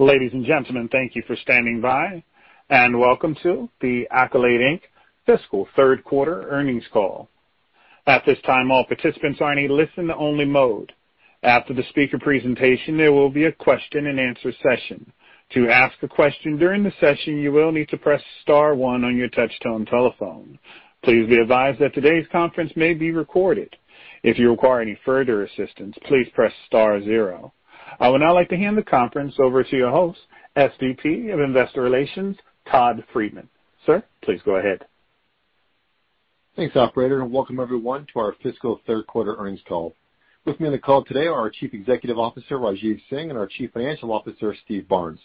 Ladies and gentlemen, thank you for standing by, and welcome to the Accolade, Inc. fiscal third quarter earnings call. At this time, all participants are in listen-only mode. After the speaker presentation, there will be a question and answer session. To ask a question during the session, you will need to press star one on your touch-tone telephone. Please be advised that today's conference may be recorded. If you require any further assistance, please press star zero. I would now like to hand the conference over to your host, Senior Vice President of Investor Relations, Todd Friedman. Sir, please go ahead. Thanks, operator. Welcome everyone to our fiscal third quarter earnings call. With me on the call today are our Chief Executive Officer, Rajeev Singh, and our Chief Financial Officer, Steve Barnes.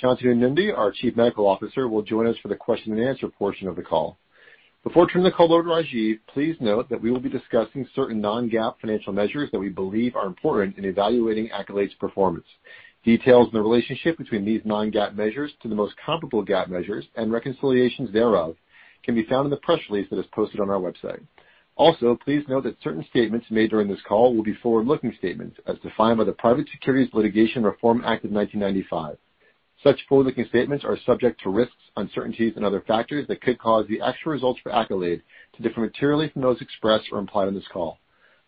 Shantanu Nundy, our Chief Medical Officer, will join us for the question and answer portion of the call. Before turning the call over to Rajeev, please note that we will be discussing certain Non-GAAP financial measures that we believe are important in evaluating Accolade's performance. Details in the relationship between these Non-GAAP measures to the most comparable GAAP measures and reconciliations thereof can be found in the press release that is posted on our website. Please note that certain statements made during this call will be forward-looking statements as defined by the Private Securities Litigation Reform Act of 1995. Such forward-looking statements are subject to risks, uncertainties, and other factors that could cause the actual results for Accolade to differ materially from those expressed or implied on this call.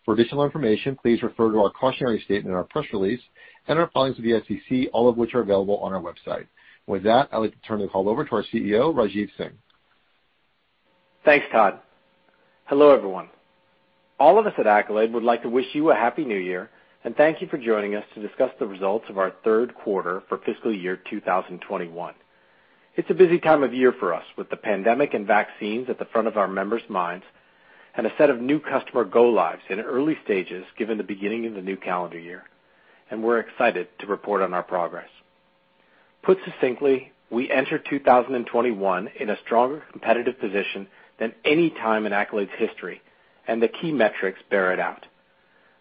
For additional information, please refer to our cautionary statement in our press release and our filings with the SEC, all of which are available on our website. With that, I'd like to turn the call over to our Chief Executive Officer, Rajeev Singh. Thanks, Todd. Hello, everyone. All of us at Accolade would like to wish you a happy New Year and thank you for joining us to discuss the results of our third quarter for fiscal year 2021. It's a busy time of year for us with the pandemic and vaccines at the front of our members' minds and a set of new customer go-lives in early stages given the beginning of the new calendar year, and we're excited to report on our progress. Put succinctly, we enter 2021 in a stronger competitive position than any time in Accolade's history, and the key metrics bear it out.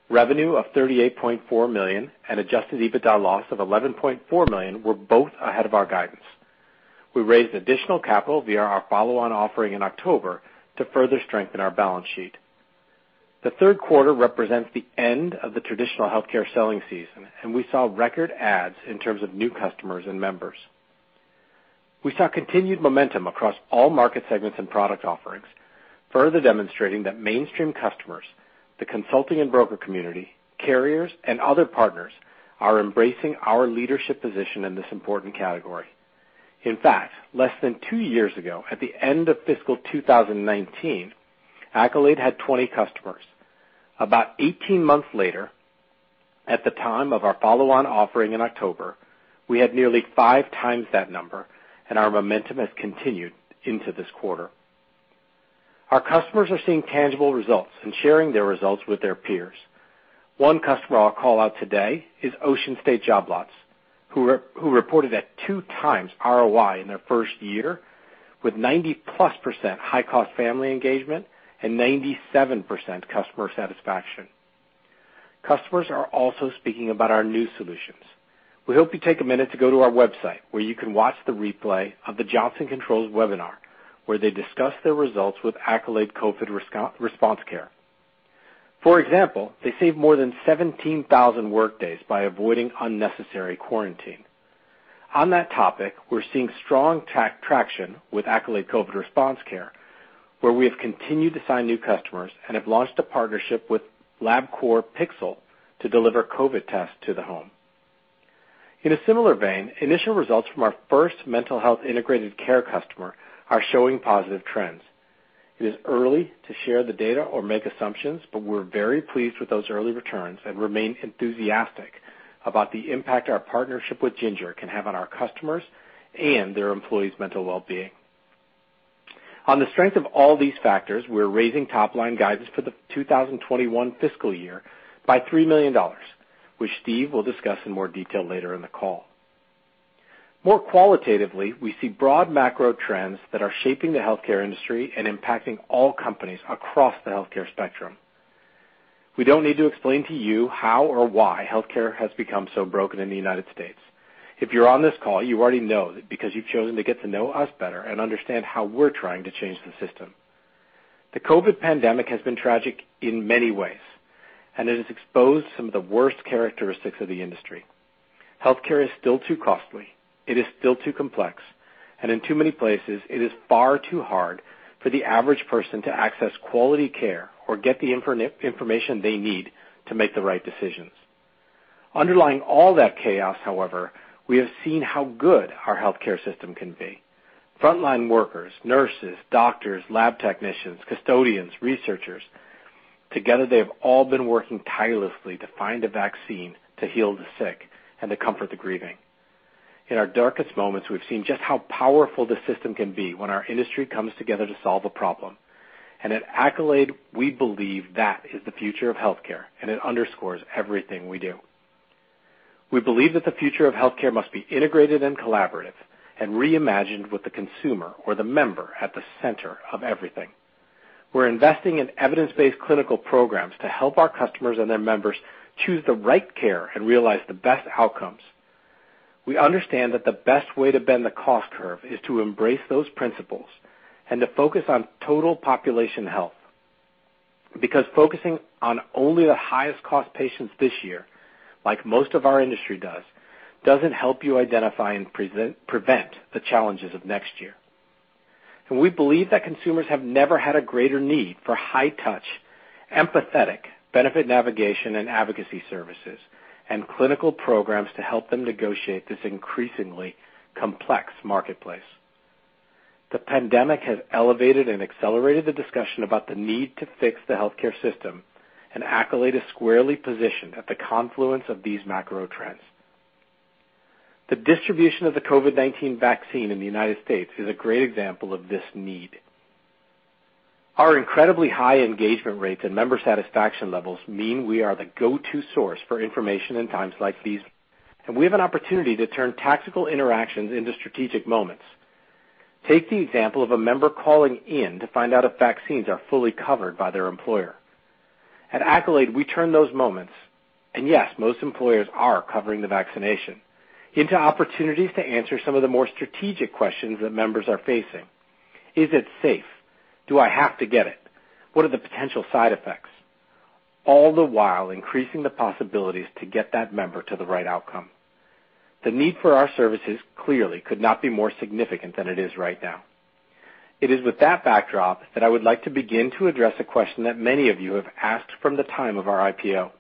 Revenue of $38.4 million and adjusted EBITDA loss of $11.4 million were both ahead of our guidance. We raised additional capital via our follow-on offering in October to further strengthen our balance sheet. The third quarter represents the end of the traditional healthcare selling season, and we saw record adds in terms of new customers and members. We saw continued momentum across all market segments and product offerings, further demonstrating that mainstream customers, the consulting and broker community, carriers, and other partners are embracing our leadership position in this important category. In fact, less than two years ago, at the end of fiscal 2019, Accolade had 20 customers. About 18 months later, at the time of our follow-on offering in October, we had nearly 5x that number, and our momentum has continued into this quarter. Our customers are seeing tangible results and sharing their results with their peers. One customer I'll call out today is Ocean State Job Lot, who reported a 2x return on investment in their first year, with 90+% high-cost family engagement and 97% customer satisfaction. Customers are also speaking about our new solutions. We hope you take a minute to go to our website, where you can watch the replay of the Johnson Controls webinar, where they discuss their results with Accolade COVID Response Care. For example, they saved more than 17,000 workdays by avoiding unnecessary quarantine. On that topic, we're seeing strong traction with Accolade COVID Response Care, where we have continued to sign new customers and have launched a partnership with Labcorp Pixel to deliver COVID tests to the home. In a similar vein, initial results from our first mental health integrated care customer are showing positive trends. It is early to share the data or make assumptions, but we're very pleased with those early returns and remain enthusiastic about the impact our partnership with Ginger can have on our customers and their employees' mental wellbeing. On the strength of all these factors, we're raising top-line guidance for the 2021 fiscal year by $3 million, which Steve will discuss in more detail later in the call. More qualitatively, we see broad macro trends that are shaping the healthcare industry and impacting all companies across the healthcare spectrum. We don't need to explain to you how or why healthcare has become so broken in the U.S. If you're on this call, you already know because you've chosen to get to know us better and understand how we're trying to change the system. The COVID-19 pandemic has been tragic in many ways, and it has exposed some of the worst characteristics of the industry. Healthcare is still too costly, it is still too complex, and in too many places, it is far too hard for the average person to access quality care or get the information they need to make the right decisions. Underlying all that chaos, however, we have seen how good our healthcare system can be. Frontline workers, nurses, doctors, lab technicians, custodians, researchers, together, they have all been working tirelessly to find a vaccine to heal the sick and to comfort the grieving. In our darkest moments, we've seen just how powerful the system can be when our industry comes together to solve a problem. At Accolade, we believe that is the future of healthcare, and it underscores everything we do. We believe that the future of healthcare must be integrated and collaborative and reimagined with the consumer or the member at the center of everything. We're investing in evidence-based clinical programs to help our customers and their members choose the right care and realize the best outcomes. We understand that the best way to bend the cost curve is to embrace those principles and to focus on total population health. Because focusing on only the highest cost patients this year, like most of our industry does, doesn't help you identify and prevent the challenges of next year. We believe that consumers have never had a greater need for high touch, empathetic benefit navigation and advocacy services and clinical programs to help them negotiate this increasingly complex marketplace. The pandemic has elevated and accelerated the discussion about the need to fix the healthcare system, and Accolade is squarely positioned at the confluence of these macro trends. The distribution of the COVID-19 vaccine in the United States is a great example of this need. Our incredibly high engagement rates and member satisfaction levels mean we are the go-to source for information in times like these, and we have an opportunity to turn tactical interactions into strategic moments. Take the example of a member calling in to find out if vaccines are fully covered by their employer. At Accolade, we turn those moments, and yes, most employers are covering the vaccination, into opportunities to answer some of the more strategic questions that members are facing. Is it safe? Do I have to get it? What are the potential side effects? All the while increasing the possibilities to get that member to the right outcome. The need for our services clearly could not be more significant than it is right now. It is with that backdrop that I would like to begin to address a question that many of you have asked from the time of our IPO.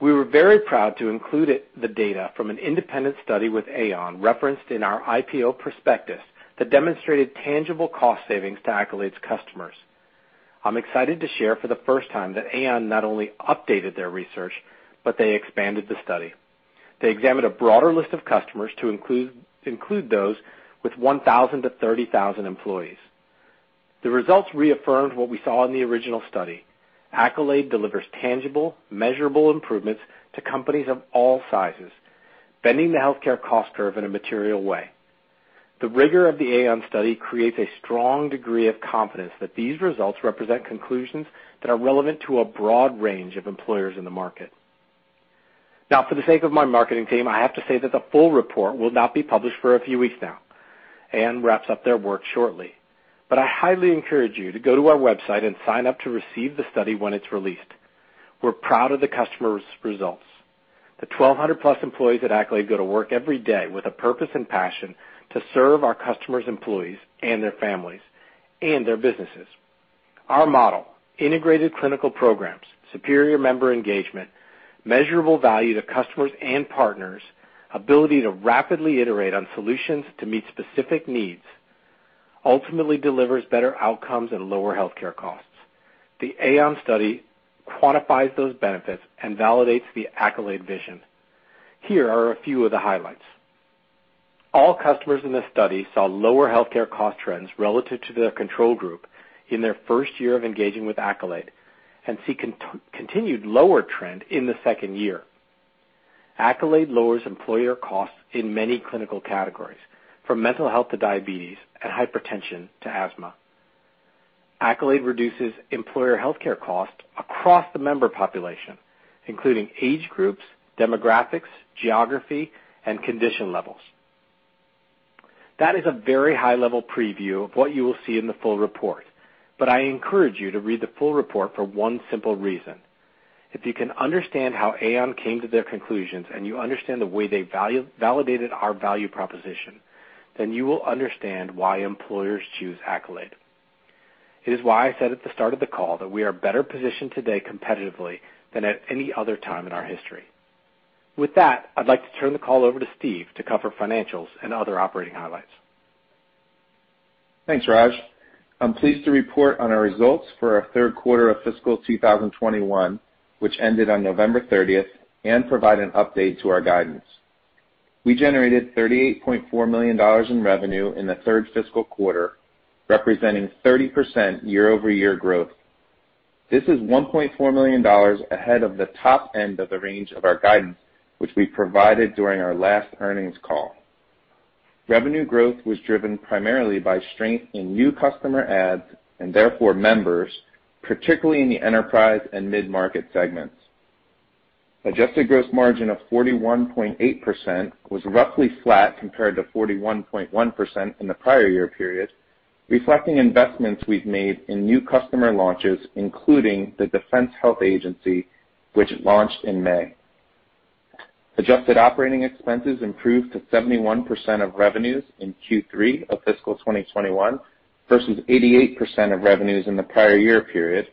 We were very proud to include the data from an independent study with Aon referenced in our IPO prospectus that demonstrated tangible cost savings to Accolade's customers. I'm excited to share for the first time that Aon not only updated their research, but they expanded the study. They examined a broader list of customers to include those with 1,000 employees-30,000 employees. The results reaffirmed what we saw in the original study. Accolade delivers tangible, measurable improvements to companies of all sizes, bending the healthcare cost curve in a material way. The rigor of the Aon study creates a strong degree of confidence that these results represent conclusions that are relevant to a broad range of employers in the market. Now, for the sake of my marketing team, I have to say that the full report will not be published for a few weeks now. Aon wraps up their work shortly. I highly encourage you to go to our website and sign up to receive the study when it's released. We're proud of the customers' results. The 1,200+ employees at Accolade go to work every day with a purpose and passion to serve our customers' employees and their families and their businesses. Our model, integrated clinical programs, superior member engagement, measurable value to customers and partners, ability to rapidly iterate on solutions to meet specific needs, ultimately delivers better outcomes and lower healthcare costs. The Aon study quantifies those benefits and validates the Accolade vision. Here are a few of the highlights. All customers in this study saw lower healthcare cost trends relative to their control group in their first year of engaging with Accolade and see continued lower trend in the second year. Accolade lowers employer costs in many clinical categories, from mental health to diabetes and hypertension to asthma. Accolade reduces employer healthcare costs across the member population, including age groups, demographics, geography, and condition levels. That is a very high-level preview of what you will see in the full report. I encourage you to read the full report for one simple reason. If you can understand how Aon came to their conclusions and you understand the way they validated our value proposition, then you will understand why employers choose Accolade. It is why I said at the start of the call that we are better positioned today competitively than at any other time in our history. With that, I'd like to turn the call over to Steve to cover financials and other operating highlights. Thanks, Raj. I'm pleased to report on our results for our third quarter of fiscal 2021, which ended on November 30th, and provide an update to our guidance. We generated $38.4 million in revenue in the third fiscal quarter, representing 30% year-over-year growth. This is $1.4 million ahead of the top end of the range of our guidance, which we provided during our last earnings call. Revenue growth was driven primarily by strength in new customer adds, and therefore members, particularly in the enterprise and mid-market segments. Adjusted gross margin of 41.8% was roughly flat compared to 41.1% in the prior year period, reflecting investments we've made in new customer launches, including the Defense Health Agency, which launched in May. Adjusted operating expenses improved to 71% of revenues in Q3 of fiscal 2021 versus 88% of revenues in the prior year period,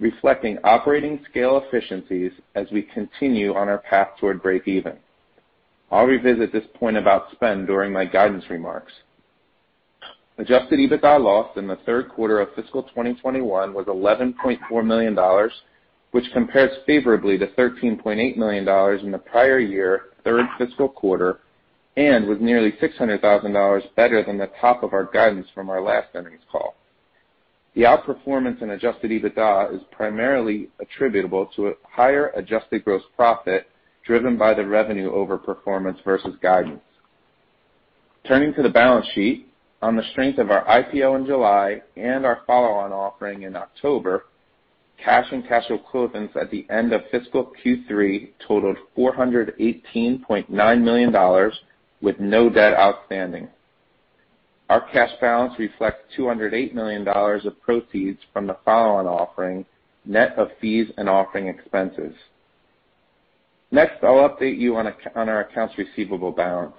reflecting operating scale efficiencies as we continue on our path toward break even. I'll revisit this point about spend during my guidance remarks. Adjusted EBITDA loss in the third quarter of fiscal 2021 was $11.4 million, which compares favorably to $13.8 million in the prior year, third fiscal quarter, and was nearly $600,000 better than the top of our guidance from our last earnings call. The outperformance in adjusted EBITDA is primarily attributable to a higher adjusted gross profit driven by the revenue overperformance versus guidance. Turning to the balance sheet, on the strength of our IPO in July and our follow-on offering in October, cash and cash equivalents at the end of fiscal Q3 totaled $418.9 million, with no debt outstanding. Our cash balance reflects $208 million of proceeds from the follow-on offering, net of fees and offering expenses. I'll update you on our accounts receivable balance.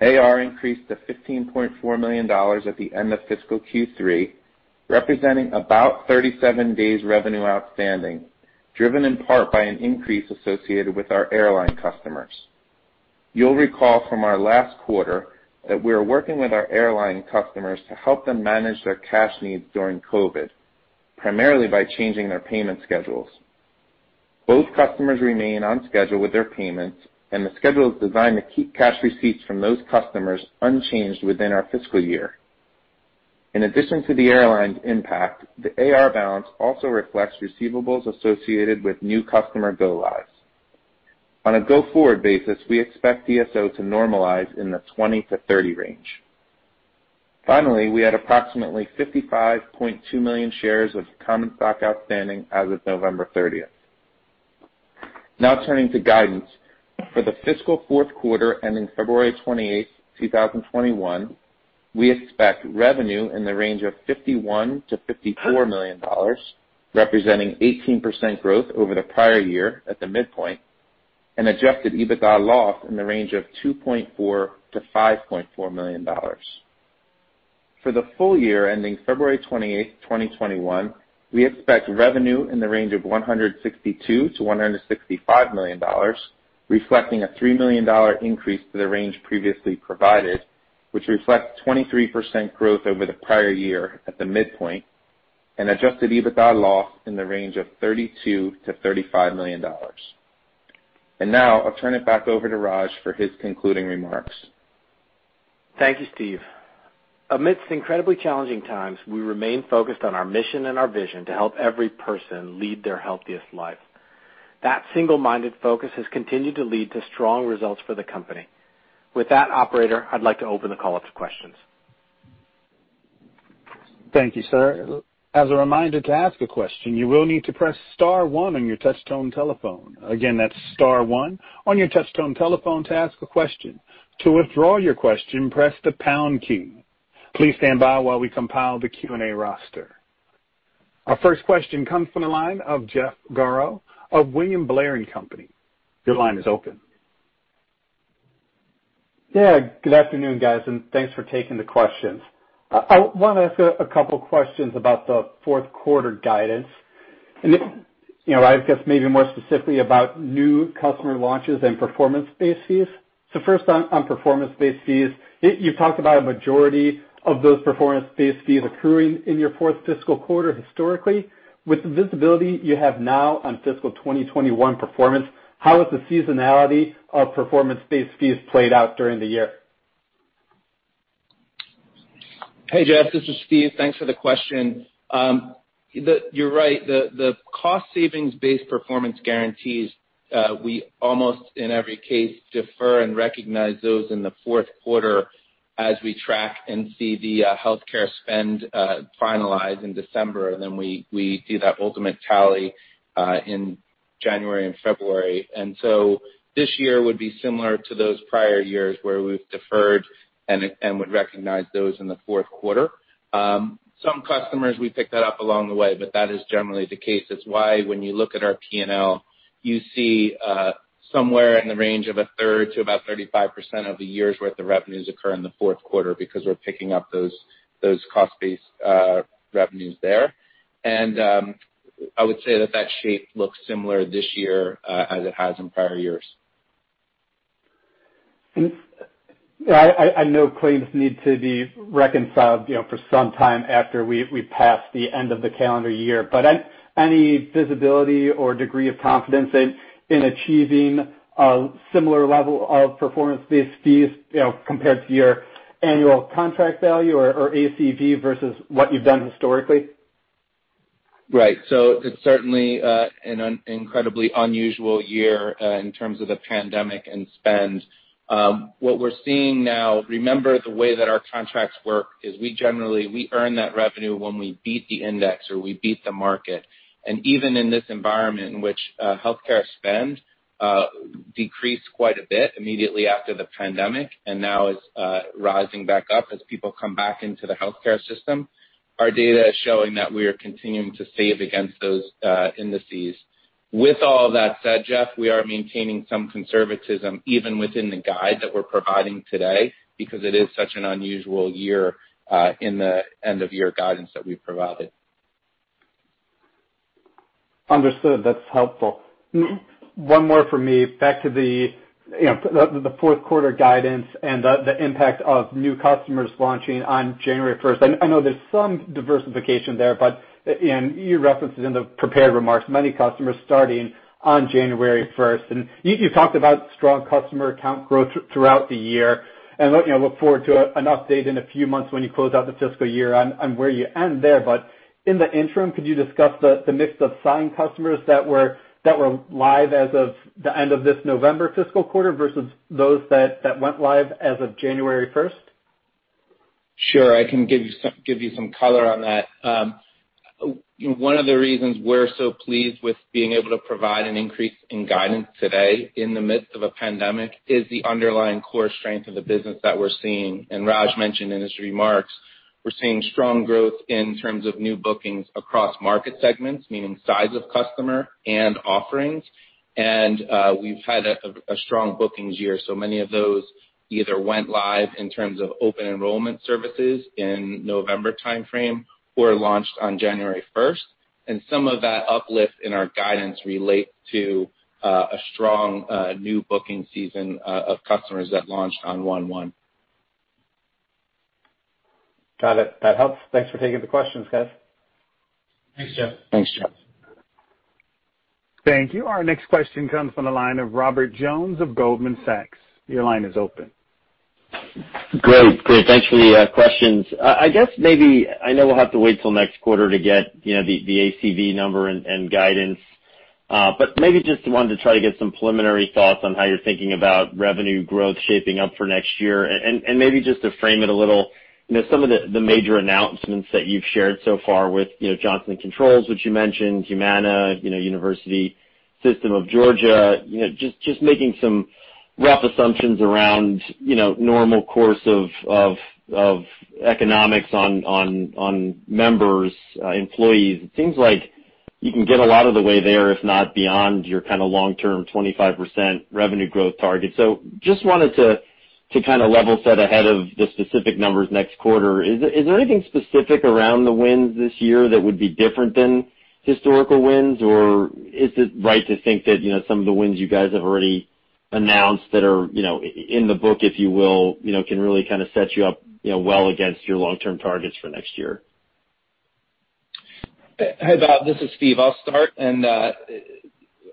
AR increased to $15.4 million at the end of fiscal Q3, representing about 37 days revenue outstanding, driven in part by an increase associated with our airline customers. You'll recall from our last quarter that we are working with our airline customers to help them manage their cash needs during COVID, primarily by changing their payment schedules. Both customers remain on schedule with their payments, and the schedule is designed to keep cash receipts from those customers unchanged within our fiscal year. In addition to the airline's impact, the AR balance also reflects receivables associated with new customer go lives. On a go-forward basis, we expect DSO to normalize in the 20 to 30 range. Finally, we had approximately 55.2 million shares of common stock outstanding as of November 30th. Now, turning to guidance. For the fiscal fourth quarter ending February 28th, 2021, we expect revenue in the range of $51 million-$54 million, representing 18% growth over the prior year at the midpoint, and adjusted EBITDA loss in the range of $2.4 million-$5.4 million. For the full year ending February 28th, 2021, we expect revenue in the range of $162 million-$165 million, reflecting a $3 million increase to the range previously provided, which reflects 23% growth over the prior year at the midpoint, and adjusted EBITDA loss in the range of $32 million-$35 million. Now I'll turn it back over to Raj for his concluding remarks. Thank you, Steve. Amidst incredibly challenging times, we remain focused on our mission and our vision to help every person lead their healthiest life. That single-minded focus has continued to lead to strong results for the company. With that, operator, I'd like to open the call up to questions. Thank you, sir. As a reminder, to ask a question, you will need to press star one on your touchtone telephone. Again, that's star one on your touchtone telephone to ask a question. To withdraw your question, press the pound key. Please stand by while we compile the Q&A roster. Our first question comes from the line of Jeff Garro of William Blair & Company. Your line is open. Yeah. Good afternoon, guys, and thanks for taking the questions. I want to ask a couple questions about the fourth quarter guidance, and I guess maybe more specifically about new customer launches and performance-based fees. First on performance-based fees, you've talked about a majority of those performance-based fees accruing in your fourth fiscal quarter historically. With the visibility you have now on fiscal 2021 performance, how has the seasonality of performance-based fees played out during the year? Hey, Jeff, this is Steve. Thanks for the question. You're right. The cost savings-based performance guarantees, we almost, in every case, defer and recognize those in the fourth quarter as we track and see the healthcare spend finalized in December, then we do that ultimate tally in January and February. This year would be similar to those prior years where we've deferred and would recognize those in the fourth quarter. Some customers, we pick that up along the way, that is generally the case. That's why when you look at our P&L, you see somewhere in the range of 1/3 to about 35% of a year's worth of revenues occur in the fourth quarter because we're picking up those cost-based revenues there. I would say that that shape looks similar this year as it has in prior years. Yeah, I know claims need to be reconciled for some time after we pass the end of the calendar year. Any visibility or degree of confidence in achieving a similar level of performance-based fees compared to your annual contract value or ACV versus what you've done historically? Right. It's certainly an incredibly unusual year in terms of the pandemic and spend. What we're seeing now, remember the way that our contracts work is we generally earn that revenue when we beat the index or we beat the market. Even in this environment in which healthcare spend decreased quite a bit immediately after the pandemic and now is rising back up as people come back into the healthcare system, our data is showing that we are continuing to save against those indices. With all that said, Jeff, we are maintaining some conservatism even within the guide that we're providing today because it is such an unusual year in the end-of-year guidance that we provided. Understood. That's helpful. One more from me. Back to the fourth quarter guidance and the impact of new customers launching on January 1st. I know there's some diversification there, but you referenced it in the prepared remarks, many customers starting on January 1st. You talked about strong customer count growth throughout the year, and I look forward to an update in a few months when you close out the fiscal year on where you end there. In the interim, could you discuss the mix of signed customers that were live as of the end of this November fiscal quarter versus those that went live as of January 1st? Sure. I can give you some color on that. One of the reasons we're so pleased with being able to provide an increase in guidance today in the midst of a pandemic is the underlying core strength of the business that we're seeing. Raj mentioned in his remarks, we're seeing strong growth in terms of new bookings across market segments, meaning size of customer and offerings. We've had a strong bookings year. Many of those either went live in terms of open enrollment services in November timeframe or launched on January 1st. Some of that uplift in our guidance relate to a strong new booking season of customers that launched on January 1st. Got it. That helps. Thanks for taking the questions, guys. Thanks, Jeff. Thanks, Jeff. Thank you. Our next question comes from the line of Robert Jones of Goldman Sachs. Your line is open. Great. Thanks for the questions. I know we'll have to wait till next quarter to get the ACV number and guidance. Maybe just wanted to try to get some preliminary thoughts on how you're thinking about revenue growth shaping up for next year. Maybe just to frame it a little, some of the major announcements that you've shared so far with Johnson Controls, which you mentioned, Humana, University System of Georgia, just making some rough assumptions around normal course of economics on members, employees. It seems like you can get a lot of the way there, if not beyond, your kind of long-term 25% revenue growth target. Just wanted to kind of level set ahead of the specific numbers next quarter. Is there anything specific around the wins this year that would be different than historical wins, or is it right to think that some of the wins you guys have already announced that are in the book, if you will, can really kind of set you up well against your long-term targets for next year? Hey, Bob, this is Steve. I'll start.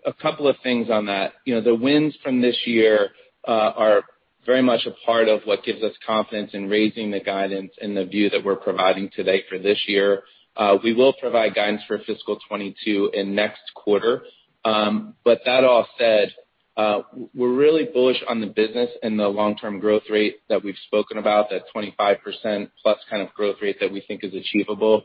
A couple of things on that. The wins from this year are very much a part of what gives us confidence in raising the guidance and the view that we're providing today for this year. We will provide guidance for fiscal 2022 in next quarter. That all said, we're really bullish on the business and the long-term growth rate that we've spoken about, that 25%+ kind of growth rate that we think is achievable.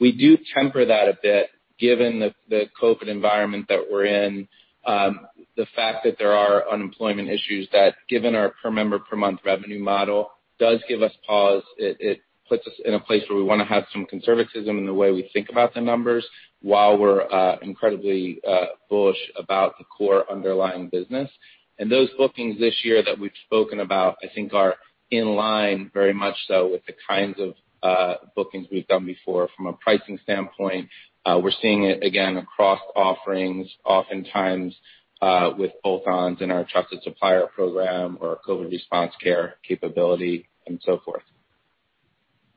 We do temper that a bit given the COVID environment that we're in. The fact that there are unemployment issues that, given our per member per month revenue model, does give us pause. It puts us in a place where we want to have some conservatism in the way we think about the numbers, while we're incredibly bullish about the core underlying business. Those bookings this year that we've spoken about, I think, are in line very much so with the kinds of bookings we've done before from a pricing standpoint. We're seeing it again across offerings, oftentimes, with add-ons in our Trusted Supplier Program or our COVID Response Care capability and so forth.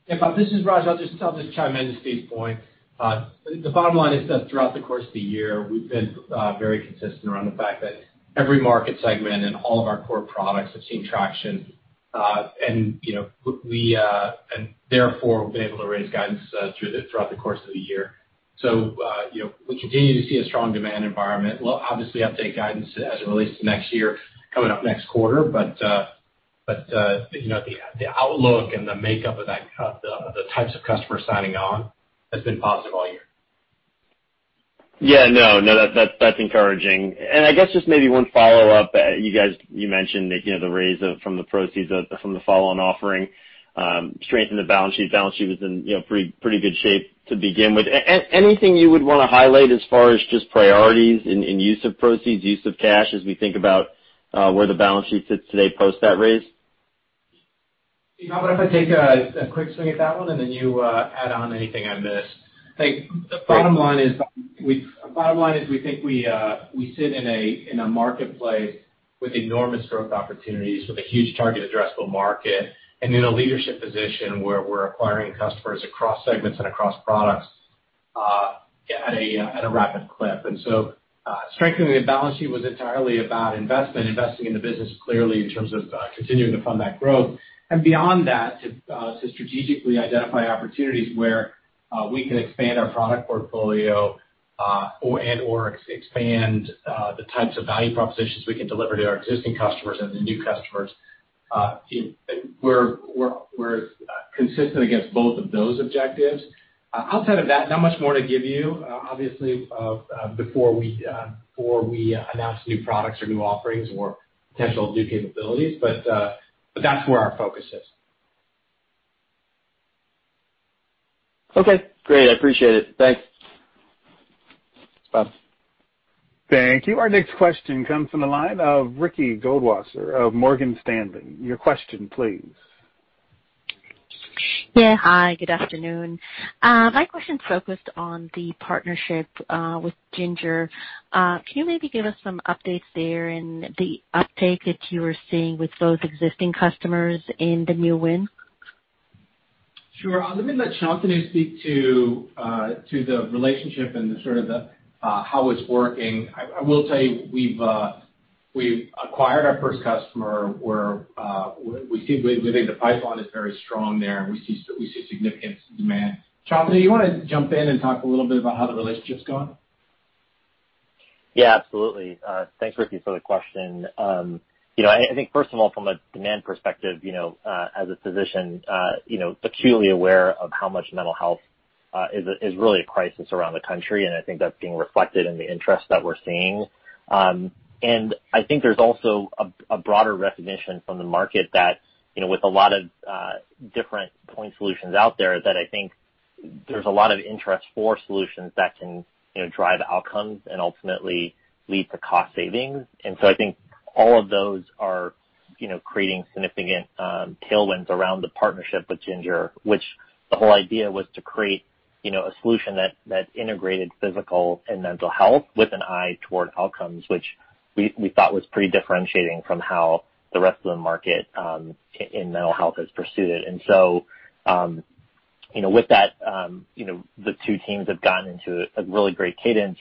Yeah, Bob, this is Raj. I'll just chime into Steve's point. The bottom line is that throughout the course of the year, we've been very consistent around the fact that every market segment and all of our core products have seen traction. Therefore, we've been able to raise guidance throughout the course of the year. We continue to see a strong demand environment. We'll obviously update guidance as it relates to next year, coming up next quarter. The outlook and the makeup of the types of customers signing on has been positive all year. Yeah. No, that's encouraging. I guess just maybe one follow-up. You mentioned that the raise from the proceeds from the follow-on offering strengthened the balance sheet. Balance sheet was in pretty good shape to begin with. Anything you would want to highlight as far as just priorities in use of proceeds, use of cash, as we think about where the balance sheet sits today post that raise? Steve, how about if I take a quick swing at that one, and then you add on anything I missed? The bottom line is we think we sit in a marketplace with enormous growth opportunities, with a huge target addressable market, and in a leadership position where we're acquiring customers across segments and across products at a rapid clip. Strengthening the balance sheet was entirely about investment, investing in the business clearly in terms of continuing to fund that growth. Beyond that, to strategically identify opportunities where we can expand our product portfolio and/or expand the types of value propositions we can deliver to our existing customers and the new customers. We're consistent against both of those objectives. Outside of that, not much more to give you, obviously, before we announce new products or new offerings or potential new capabilities. That's where our focus is. Okay, great. I appreciate it. Thanks. Bye. Thank you. Our next question comes from the line of Ricky Goldwasser of Morgan Stanley. Your question, please. Yeah. Hi, good afternoon. My question's focused on the partnership with Ginger. Can you maybe give us some updates there and the uptake that you are seeing with both existing customers and the new win? Sure. I'm going to let Shantanu speak to the relationship and the sort of the how it's working. I will tell you, we've acquired our first customer. We think the pipeline is very strong there, and we see significant demand. Shantanu, you want to jump in and talk a little bit about how the relationship's going? Yeah, absolutely. Thanks, Ricky, for the question. First of all, from a demand perspective, as a physician, acutely aware of how much mental health is really a crisis around the country. That's being reflected in the interest that we're seeing. There's also a broader recognition from the market that with a lot of different point solutions out there's a lot of interest for solutions that can drive outcomes and ultimately lead to cost savings. All of those are creating significant tailwinds around the partnership with Ginger, which the whole idea was to create a solution that integrated physical and mental health with an eye toward outcomes, which we thought was pretty differentiating from how the rest of the market in mental health has pursued it. With that, the two teams have gotten into a really great cadence,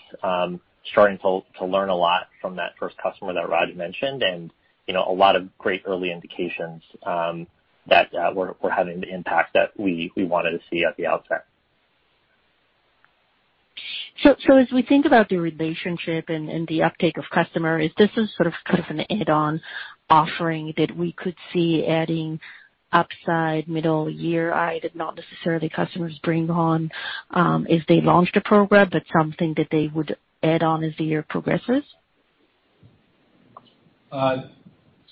starting to learn a lot from that first customer that Raj mentioned, and a lot of great early indications that we're having the impact that we wanted to see at the outset. As we think about the relationship and the uptake of customer, is this a sort of an add-on offering that we could see adding upside midyear that not necessarily customers bring on if they launched a program, but something that they would add on as the year progresses?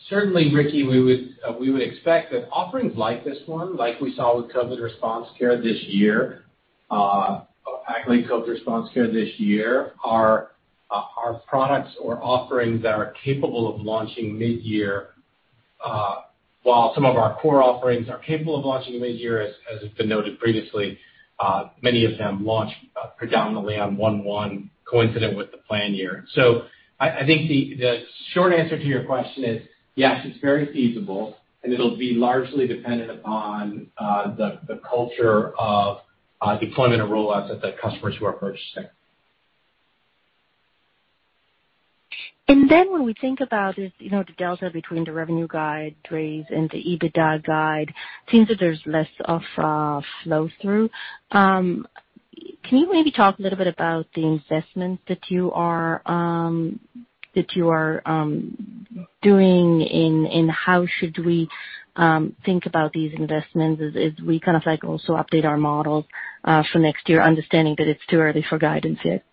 Certainly, Ricky, we would expect that offerings like this one, like we saw with COVID Response Care this year, Accolade COVID Response Care this year, are products or offerings that are capable of launching mid-year. While some of our core offerings are capable of launching mid-year, as has been noted previously, many of them launch predominantly on one-one coincident with the plan year. I think the short answer to your question is, yes, it's very feasible, and it'll be largely dependent upon the culture of deployment and rollouts at the customers who are purchasing. When we think about the delta between the revenue guide raise and the EBITDA guide, seems that there's less of a flow-through. Can you maybe talk a little bit about the investments that you are doing, and how should we think about these investments as we kind of also update our models for next year, understanding that it's too early for guidance yet?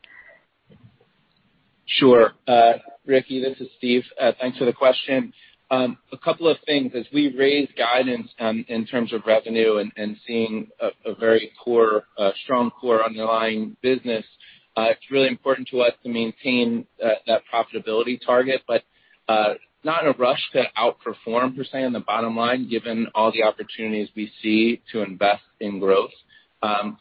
Sure. Ricky, this is Steve. Thanks for the question. A couple of things. As we raise guidance in terms of revenue and seeing a very strong core underlying business, it's really important to us to maintain that profitability target, but not in a rush to outperform, per se, on the bottom line, given all the opportunities we see to invest in growth.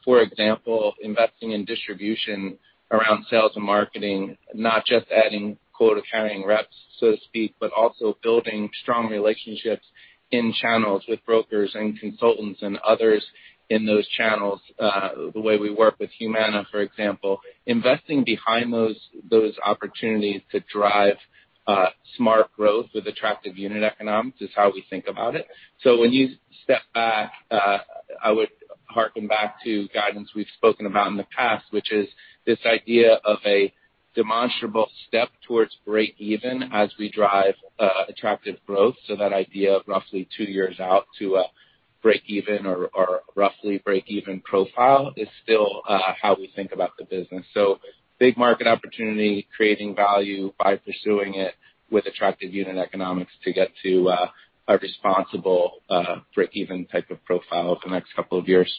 For example, investing in distribution around sales and marketing, not just adding quota-carrying reps, so to speak, but also building strong relationships in channels with brokers and consultants and others in those channels. The way we work with Humana, for example. Investing behind those opportunities to drive smart growth with attractive unit economics is how we think about it. When you step back, I would harken back to guidance we've spoken about in the past, which is this idea of a demonstrable step towards breakeven as we drive attractive growth. That idea of roughly two years out to a breakeven or roughly breakeven profile is still how we think about the business. Big market opportunity, creating value by pursuing it with attractive unit economics to get to a responsible breakeven type of profile over the next couple of years.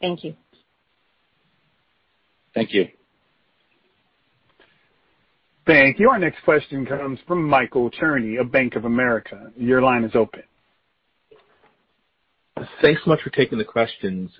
Thank you. Thank you. Thank you. Our next question comes from Michael Cherny of Bank of America. Your line is open. Thanks so much for taking the questions.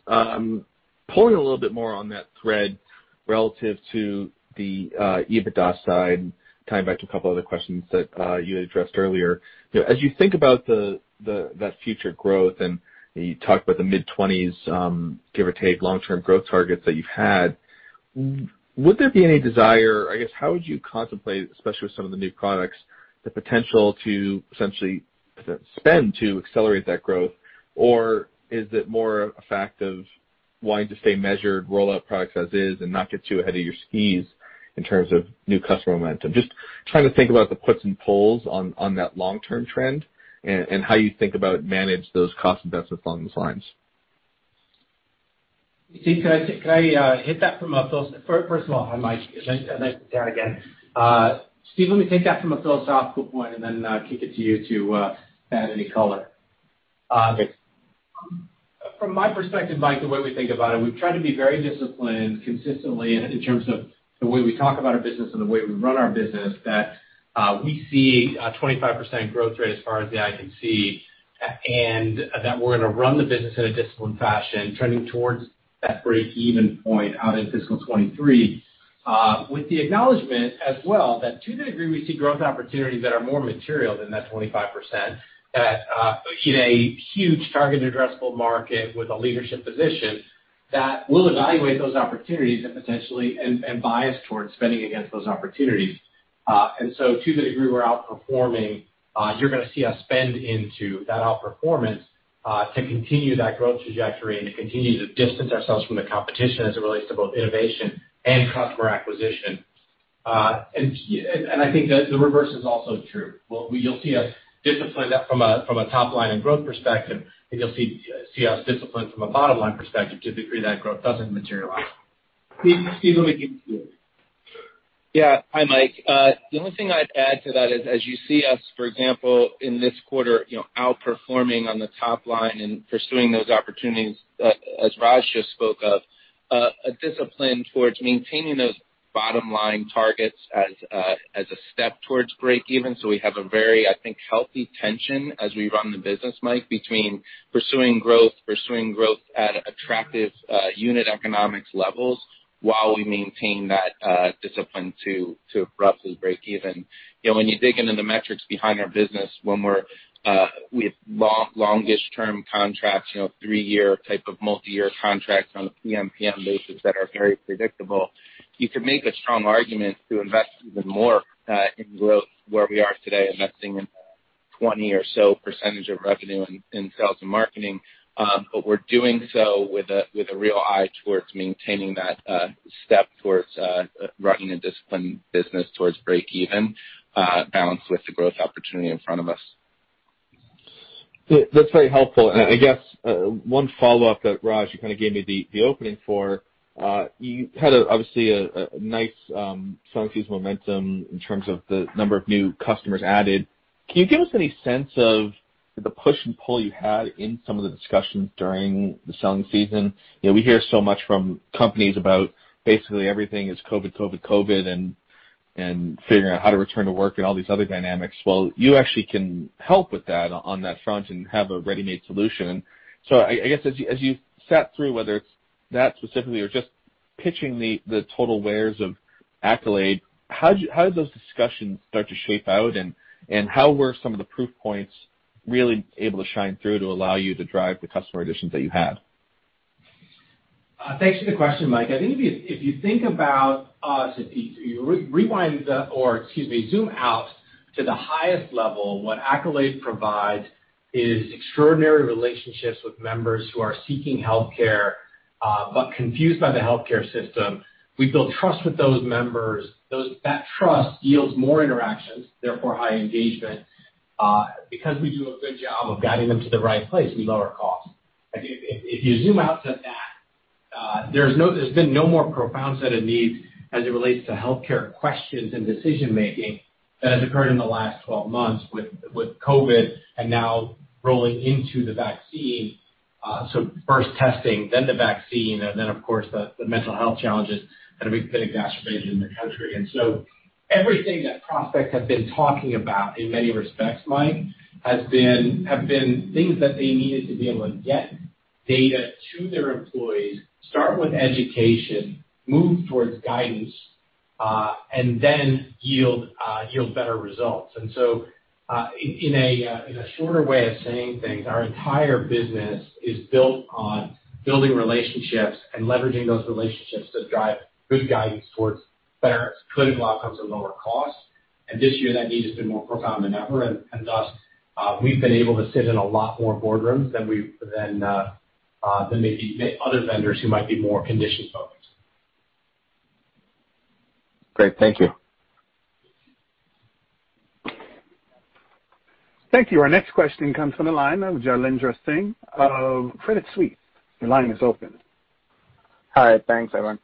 Pulling a little bit more on that thread relative to the EBITDA side, tying back to a couple other questions that you had addressed earlier. As you think about that future growth, and you talked about the mid-20s, give or take, long-term growth targets that you've had, would there be any desire, I guess, how would you contemplate, especially with some of the new products, the potential to essentially spend to accelerate that growth? Or is it more a fact of wanting to stay measured, roll out products as is, and not get too ahead of your skis in terms of new customer momentum? Just trying to think about the puts and pulls on that long-term trend and how you think about manage those cost investments along those lines. First of all, hi, Mike. It's nice to chat again. Steve, let me take that from a philosophical point and then kick it to you to add any color. Okay. From my perspective, Mike, the way we think about it, we've tried to be very disciplined consistently in terms of the way we talk about our business and the way we run our business, that we see a 25% growth rate as far as the eye can see, and that we're going to run the business in a disciplined fashion, trending towards that breakeven point out in fiscal 2023. With the acknowledgement as well, that to the degree we see growth opportunities that are more material than that 25%, that in a huge targeted addressable market with a leadership position, that we'll evaluate those opportunities and potentially, and bias towards spending against those opportunities. To the degree we're outperforming, you're going to see us spend into that outperformance, to continue that growth trajectory and to continue to distance ourselves from the competition as it relates to both innovation and customer acquisition. I think that the reverse is also true. You'll see us discipline that from a top-line and growth perspective, and you'll see us discipline from a bottom-line perspective to the degree that growth doesn't materialize. Steve, let me give it to you. Yeah. Hi, Mike. The only thing I'd add to that is, as you see us, for example, in this quarter outperforming on the top line and pursuing those opportunities, as Raj just spoke of, a discipline towards maintaining those bottom-line targets as a step towards breakeven. We have a very, I think, healthy tension as we run the business, Mike, between pursuing growth at attractive unit economics levels while we maintain that discipline to roughly breakeven. When you dig into the metrics behind our business, when we have longest-term contracts, three-year type of multi-year contracts on a PMPM basis that are very predictable, you can make a strong argument to invest even more in growth where we are today, investing in 20% or so of revenue in sales and marketing. We're doing so with a real eye towards maintaining that step towards running a disciplined business towards breakeven, balanced with the growth opportunity in front of us. That's very helpful. I guess one follow-up that, Raj, you kind of gave me the opening for, you had obviously a nice selling season momentum in terms of the number of new customers added. Can you give us any sense of the push and pull you had in some of the discussions during the selling season? We hear so much from companies about basically everything is COVID-19, COVID-19, COVID-19, and figuring out how to return to work and all these other dynamics. Well, you actually can help with that on that front and have a ready-made solution. I guess as you sat through, whether it's that specifically or just pitching the total wares of Accolade, how did those discussions start to shape out, and how were some of the proof points really able to shine through to allow you to drive the customer additions that you had? Thanks for the question, Mike. I think if you think about us, if you rewind, or excuse me, zoom out to the highest level, what Accolade provides is extraordinary relationships with members who are seeking healthcare, but confused by the healthcare system. We build trust with those members. That trust yields more interactions, therefore high engagement. Because we do a good job of guiding them to the right place, we lower costs. If you zoom out to that, there's been no more profound set of needs as it relates to healthcare questions and decision-making than has occurred in the last 12 months with COVID and now rolling into the vaccine. First testing, then the vaccine, and then, of course, the mental health challenges that have been exacerbated in the country. Everything that prospects have been talking about in many respects, Mike, have been things that they needed to be able to get data to their employees, start with education, move towards guidance, and then yield better results. In a shorter way of saying things, our entire business is built on building relationships and leveraging those relationships to drive good guidance towards better clinical outcomes at lower costs. This year, that need has been more profound than ever. Thus, we've been able to sit in a lot more boardrooms than maybe other vendors who might be more condition-focused. Great. Thank you. Thank you. Our next question comes from the line of Jailendra Singh of Credit Suisse. Your line is open. Hi. Thanks, everyone.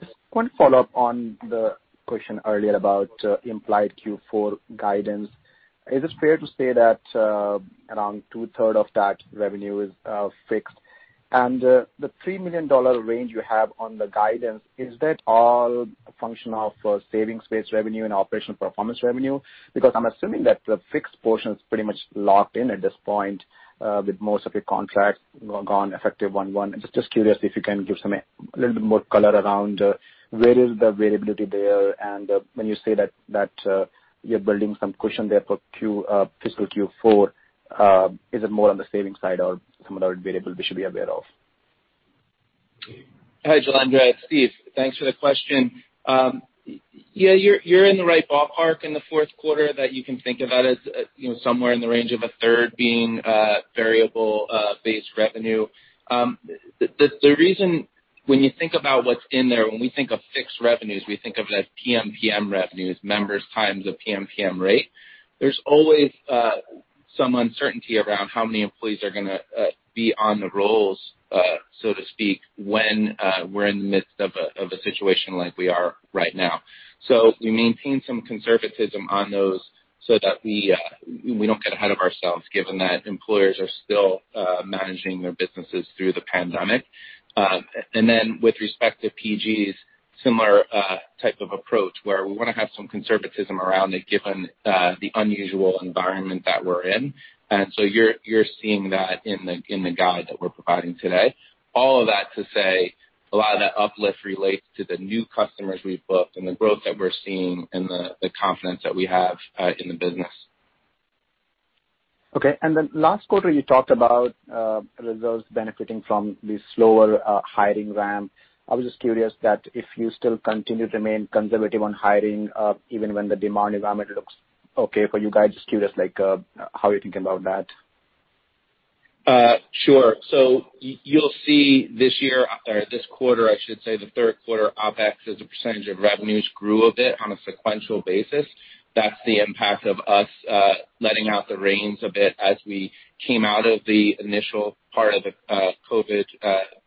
Just wanted to follow up on the question earlier about implied Q4 guidance. Is it fair to say that around two-third of that revenue is fixed? The $3 million range you have on the guidance, is that all a function of savings-based revenue and operational performance revenue? I'm assuming that the fixed portion is pretty much locked in at this point, with most of your contracts gone effective one-one. I'm just curious if you can give a little bit more color around where is the variability there, and when you say that you're building some cushion there for fiscal Q4, is it more on the savings side or some other variable we should be aware of? Hi, Jailendra, it's Steve. Thanks for the question. Yeah, you're in the right ballpark in the fourth quarter that you can think about as somewhere in the range of a third being variable-based revenue. The reason when you think about what's in there, when we think of fixed revenues, we think of that PMPM revenues, members times a PMPM rate. There's always some uncertainty around how many employees are going to be on the rolls, so to speak, when we're in the midst of a situation like we are right now. We maintain some conservatism on those so that we don't get ahead of ourselves given that employers are still managing their businesses through the pandemic. With respect to PGs similar type of approach, where we want to have some conservatism around it given the unusual environment that we're in. You're seeing that in the guide that we're providing today. All of that to say, a lot of that uplift relates to the new customers we've booked and the growth that we're seeing and the confidence that we have in the business. Okay. Last quarter, you talked about results benefiting from the slower hiring ramp. I was just curious that if you still continue to remain conservative on hiring, even when the demand environment looks okay for you guys. Just curious, how you're thinking about that. Sure. You'll see this year, or this quarter, I should say, the third quarter OpEx as a percentage of revenues grew a bit on a sequential basis. That's the impact of us letting out the reins a bit as we came out of the initial part of the COVID-19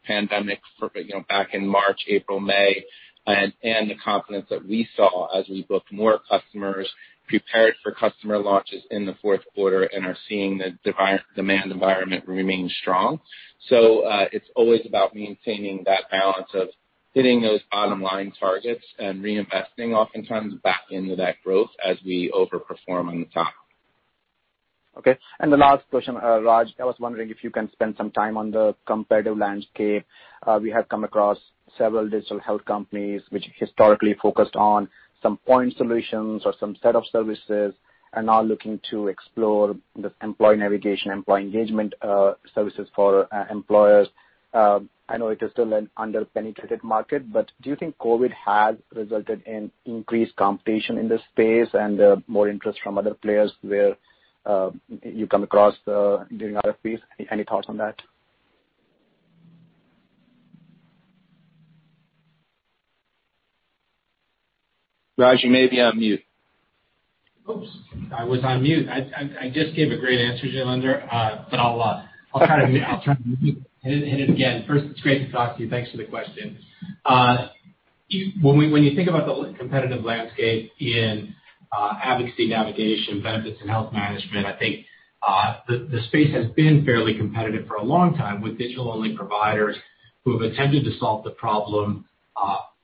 pandemic back in March, April, May, and the confidence that we saw as we booked more customers, prepared for customer launches in the fourth quarter, and are seeing the demand environment remain strong. It's always about maintaining that balance of hitting those bottom-line targets and reinvesting oftentimes back into that growth as we over-perform on the top. Okay. The last question, Raj. I was wondering if you can spend some time on the competitive landscape. We have come across several digital health companies which historically focused on some point solutions or some set of services and are looking to explore the employee navigation, employee engagement services for employers. I know it is still an under-penetrated market. Do you think COVID has resulted in increased competition in this space and more interest from other players where you come across during RFPs? Any thoughts on that? Raj, you may be on mute. Oops. I was on mute. I just gave a great answer, Jailendra, I'll try to hit it again. First, it's great to talk to you. Thanks for the question. When you think about the competitive landscape in advocacy, navigation, benefits, and health management, I think, the space has been fairly competitive for a long time with digital-only providers who have attempted to solve the problem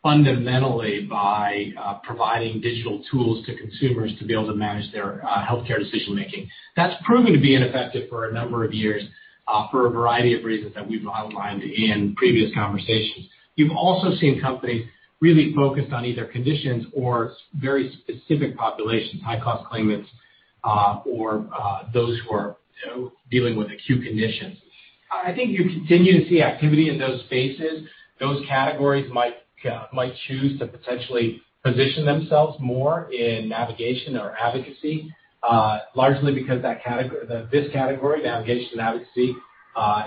fundamentally by providing digital tools to consumers to be able to manage their healthcare decision-making. That's proven to be ineffective for a number of years for a variety of reasons that we've outlined in previous conversations. You've also seen companies really focused on either conditions or very specific populations, high-cost claimants, or those who are dealing with acute conditions. I think you continue to see activity in those spaces. Those categories might choose to potentially position themselves more in navigation or advocacy, largely because this category, navigation advocacy,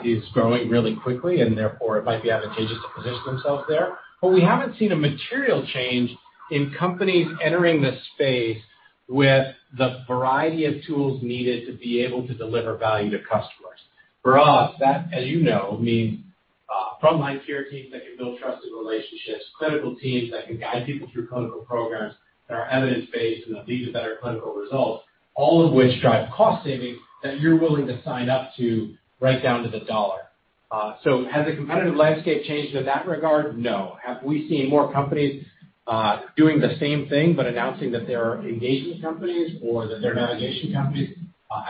is growing really quickly, and therefore it might be advantageous to position themselves there. We haven't seen a material change in companies entering this space with the variety of tools needed to be able to deliver value to customers. For us, that, as you know, means frontline care teams that can build trusted relationships, clinical teams that can guide people through clinical programs that are evidence-based and that lead to better clinical results, all of which drive cost savings that you're willing to sign up to right down to the dollar. Has the competitive landscape changed in that regard? No. Have we seen more companies doing the same thing but announcing that they're engagement companies or that they're navigation companies?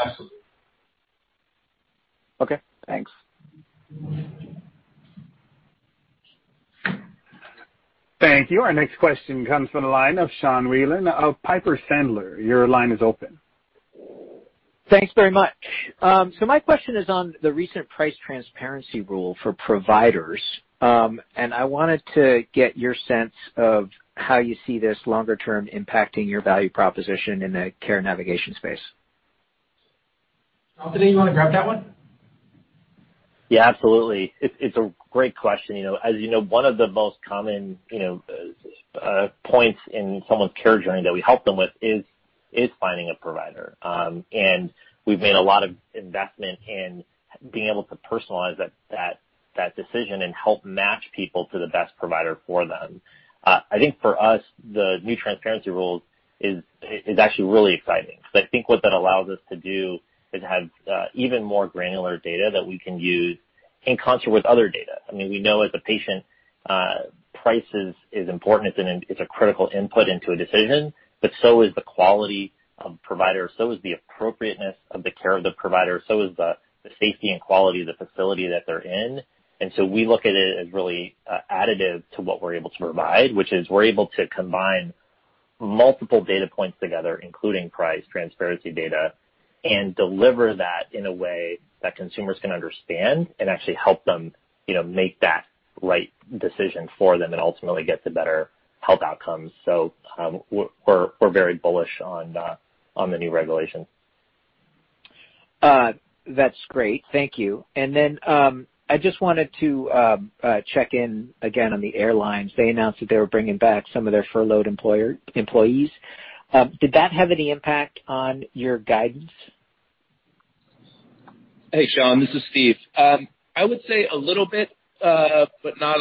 Absolutely. Okay, thanks. Thank you. Our next question comes from the line of Sean Wieland of Piper Sandler. Your line is open. Thanks very much. My question is on the recent price transparency rule for providers. I wanted to get your sense of how you see this longer term impacting your value proposition in the care navigation space. Shantanu, you want to grab that one? Yeah, absolutely. It's a great question. As you know, one of the most common points in someone's care journey that we help them with is finding a provider. We've made a lot of investment in being able to personalize that decision and help match people to the best provider for them. I think for us, the new transparency rule is actually really exciting because I think what that allows us to do is have even more granular data that we can use in concert with other data. We know as a patient, price is important. It's a critical input into a decision, but so is the quality of provider, so is the appropriateness of the care of the provider, so is the safety and quality of the facility that they're in. We look at it as really additive to what we're able to provide, which is we're able to combine multiple data points together, including price transparency data, and deliver that in a way that consumers can understand and actually help them make that right decision for them and ultimately get to better health outcomes. We're very bullish on the new regulation. That's great. Thank you. I just wanted to check in again on the airlines. They announced that they were bringing back some of their furloughed employees. Did that have any impact on your guidance? Hey, Sean, this is Steve. I would say a little bit, but not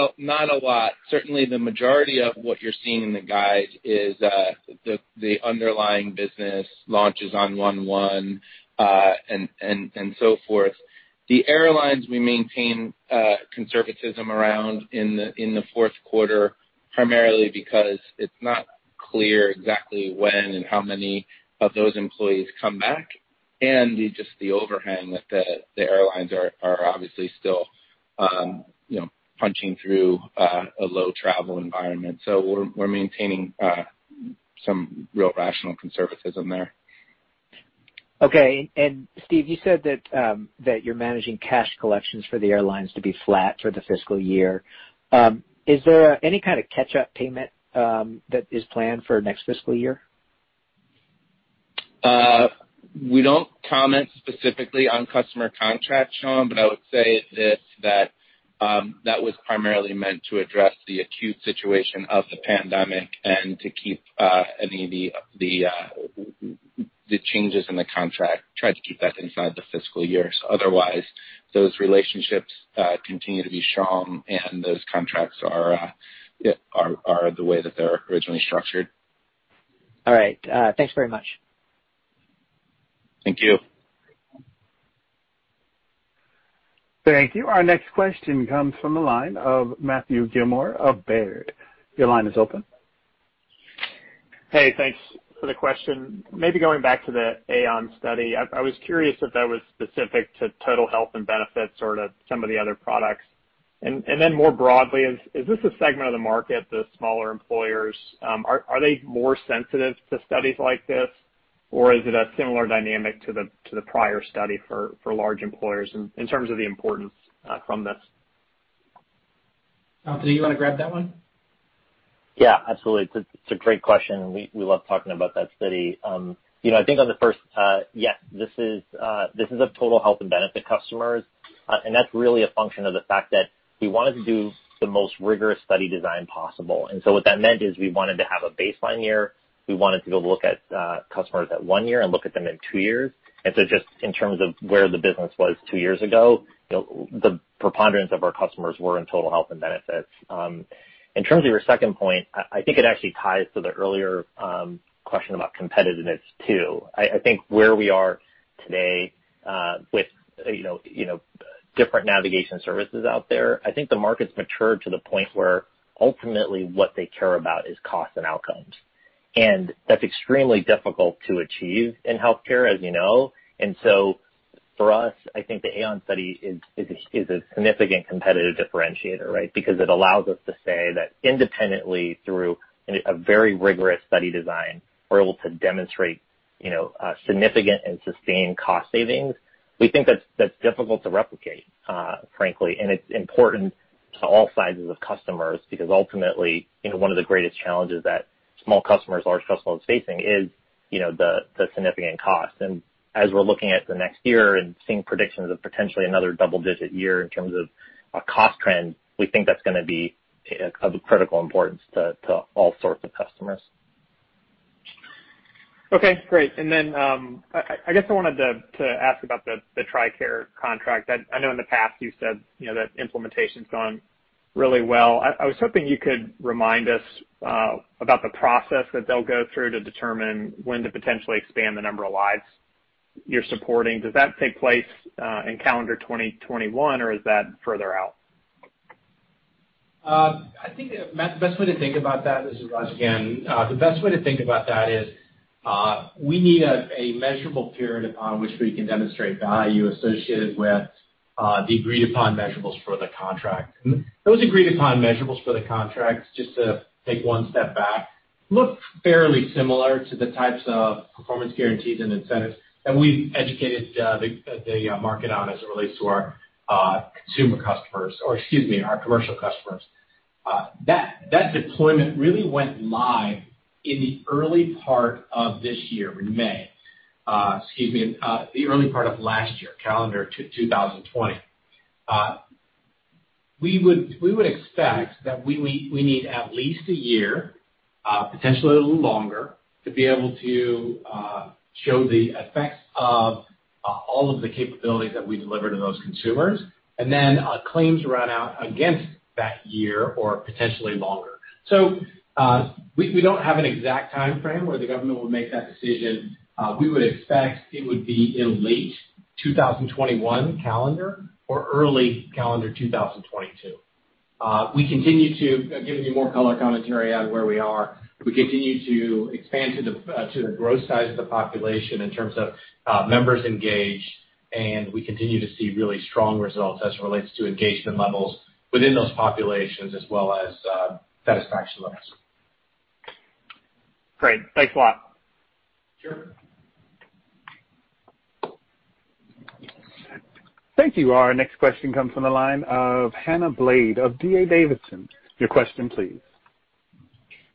a lot. Certainly, the majority of what you're seeing in the guide is the underlying business launches on one-one, and so forth. The airlines we maintain conservatism around in the fourth quarter, primarily because it's not clear exactly when and how many of those employees come back. Just the overhang that the airlines are obviously still punching through a low travel environment. We're maintaining some real rational conservatism there. Okay. Steve, you said that you're managing cash collections for the airlines to be flat for the fiscal year. Is there any kind of catch-up payment that is planned for next fiscal year? We don't comment specifically on customer contracts, Sean, but I would say this, that was primarily meant to address the acute situation of the pandemic and to keep any of the changes in the contract, try to keep that inside the fiscal year. Otherwise, those relationships continue to be strong, and those contracts are the way that they're originally structured. All right. Thanks very much. Thank you. Thank you. Our next question comes from the line of Matthew Gillmor of Baird. Your line is open. Hey, thanks for the question. Maybe going back to the Aon study, I was curious if that was specific to Total Health and Benefits or to some of the other products. More broadly, is this a segment of the market, the smaller employers, are they more sensitive to studies like this? Or is it a similar dynamic to the prior study for large employers in terms of the importance from this? Shantanu, you want to grab that one? Yeah, absolutely. It's a great question, and we love talking about that study. I think on the first, yes, this is of Total Health and Benefits customers, and that's really a function of the fact that we wanted to do the most rigorous study design possible. What that meant is we wanted to have a baseline year. We wanted to be able to look at customers at one year and look at them in two years. Just in terms of where the business was two years ago, the preponderance of our customers were in Total Health and Benefits. In terms of your second point, I think it actually ties to the earlier question about competitiveness too. I think where we are today, with different navigation services out there, I think the market's matured to the point where ultimately what they care about is cost and outcomes. That's extremely difficult to achieve in healthcare, as you know. For us, I think the Aon study is a significant competitive differentiator, right? Because it allows us to say that independently, through a very rigorous study design, we're able to demonstrate significant and sustained cost savings. We think that's difficult to replicate, frankly. It's important to all sizes of customers because ultimately, one of the greatest challenges that small customers, large customers are facing is the significant cost. As we're looking at the next year and seeing predictions of potentially another double-digit year in terms of a cost trend, we think that's going to be of critical importance to all sorts of customers. Okay, great. Then, I guess I wanted to ask about the TRICARE contract. I know in the past you said that implementation's gone really well. I was hoping you could remind us about the process that they'll go through to determine when to potentially expand the number of lives you're supporting. Does that take place in calendar 2021, or is that further out? I think, Matt, the best way to think about that is, we need a measurable period upon which we can demonstrate value associated with the agreed-upon measurables for the contract. Those agreed-upon measurables for the contracts, just to take one step back, look fairly similar to the types of performance guarantees and incentives that we've educated the market on as it relates to our consumer customers, or excuse me, our commercial customers. That deployment really went live in the early part of this year, in May. Excuse me, the early part of last year, calendar 2020. We would expect that we need at least a year, potentially a little longer, to be able to show the effects of all of the capabilities that we deliver to those consumers, and then claims run out against that year or potentially longer. We don't have an exact timeframe where the government will make that decision. We would expect it would be in late 2021 calendar or early calendar 2022. Giving you more color commentary on where we are, we continue to expand to the growth side of the population in terms of members engaged, and we continue to see really strong results as it relates to engagement levels within those populations as well as satisfaction levels. Great. Thanks a lot. Sure. Thank you. Our next question comes from the line of Hannah Baade of D.A. Davidson. Your question please.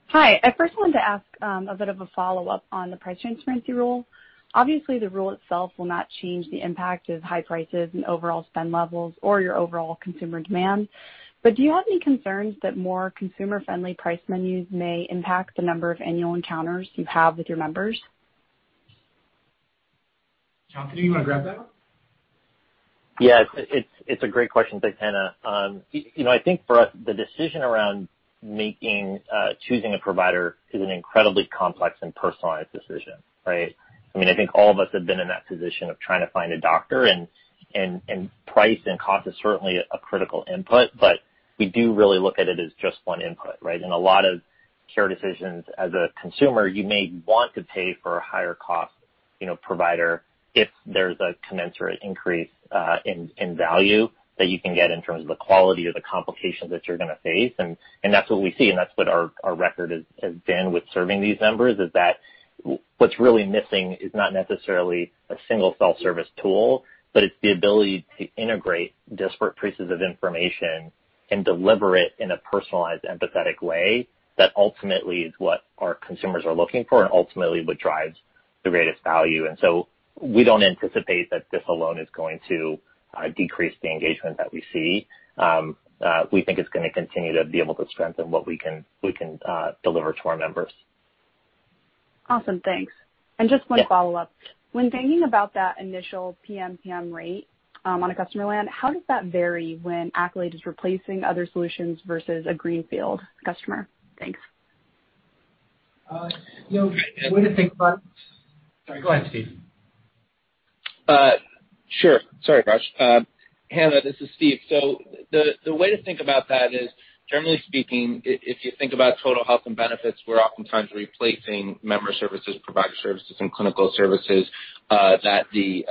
Hi. I first wanted to ask a bit of a follow-up on the price transparency rule. Obviously, the rule itself will not change the impact of high prices and overall spend levels or your overall consumer demand. Do you have any concerns that more consumer-friendly price menus may impact the number of annual encounters you have with your members? Shantanu, you want to grab that one? Yes. It's a great question, thanks, Hannah. I think for us, the decision around choosing a provider is an incredibly complex and personalized decision, right? I think all of us have been in that position of trying to find a doctor, and price and cost is certainly a critical input, but we do really look at it as just one input, right? In a lot of care decisions as a consumer, you may want to pay for a higher cost- provider, if there's a commensurate increase in value that you can get in terms of the quality or the complications that you're going to face. That's what we see, and that's what our record has been with serving these members, is that what's really missing is not necessarily a single self-service tool, but it's the ability to integrate disparate pieces of information and deliver it in a personalized, empathetic way that ultimately is what our consumers are looking for, and ultimately what drives the greatest value. We don't anticipate that this alone is going to decrease the engagement that we see. We think it's going to continue to be able to strengthen what we can deliver to our members. Awesome. Thanks. Yeah. Just one follow-up. When thinking about that initial PMPM rate on a customer land, how does that vary when Accolade is replacing other solutions versus a greenfield customer? Thanks. Sorry, go ahead, Steve. Sure. Sorry, Raj. Hannah, this is Steve. The way to think about that is, generally speaking, if you think about total health and benefits, we're oftentimes replacing member services, provider services, and clinical services that the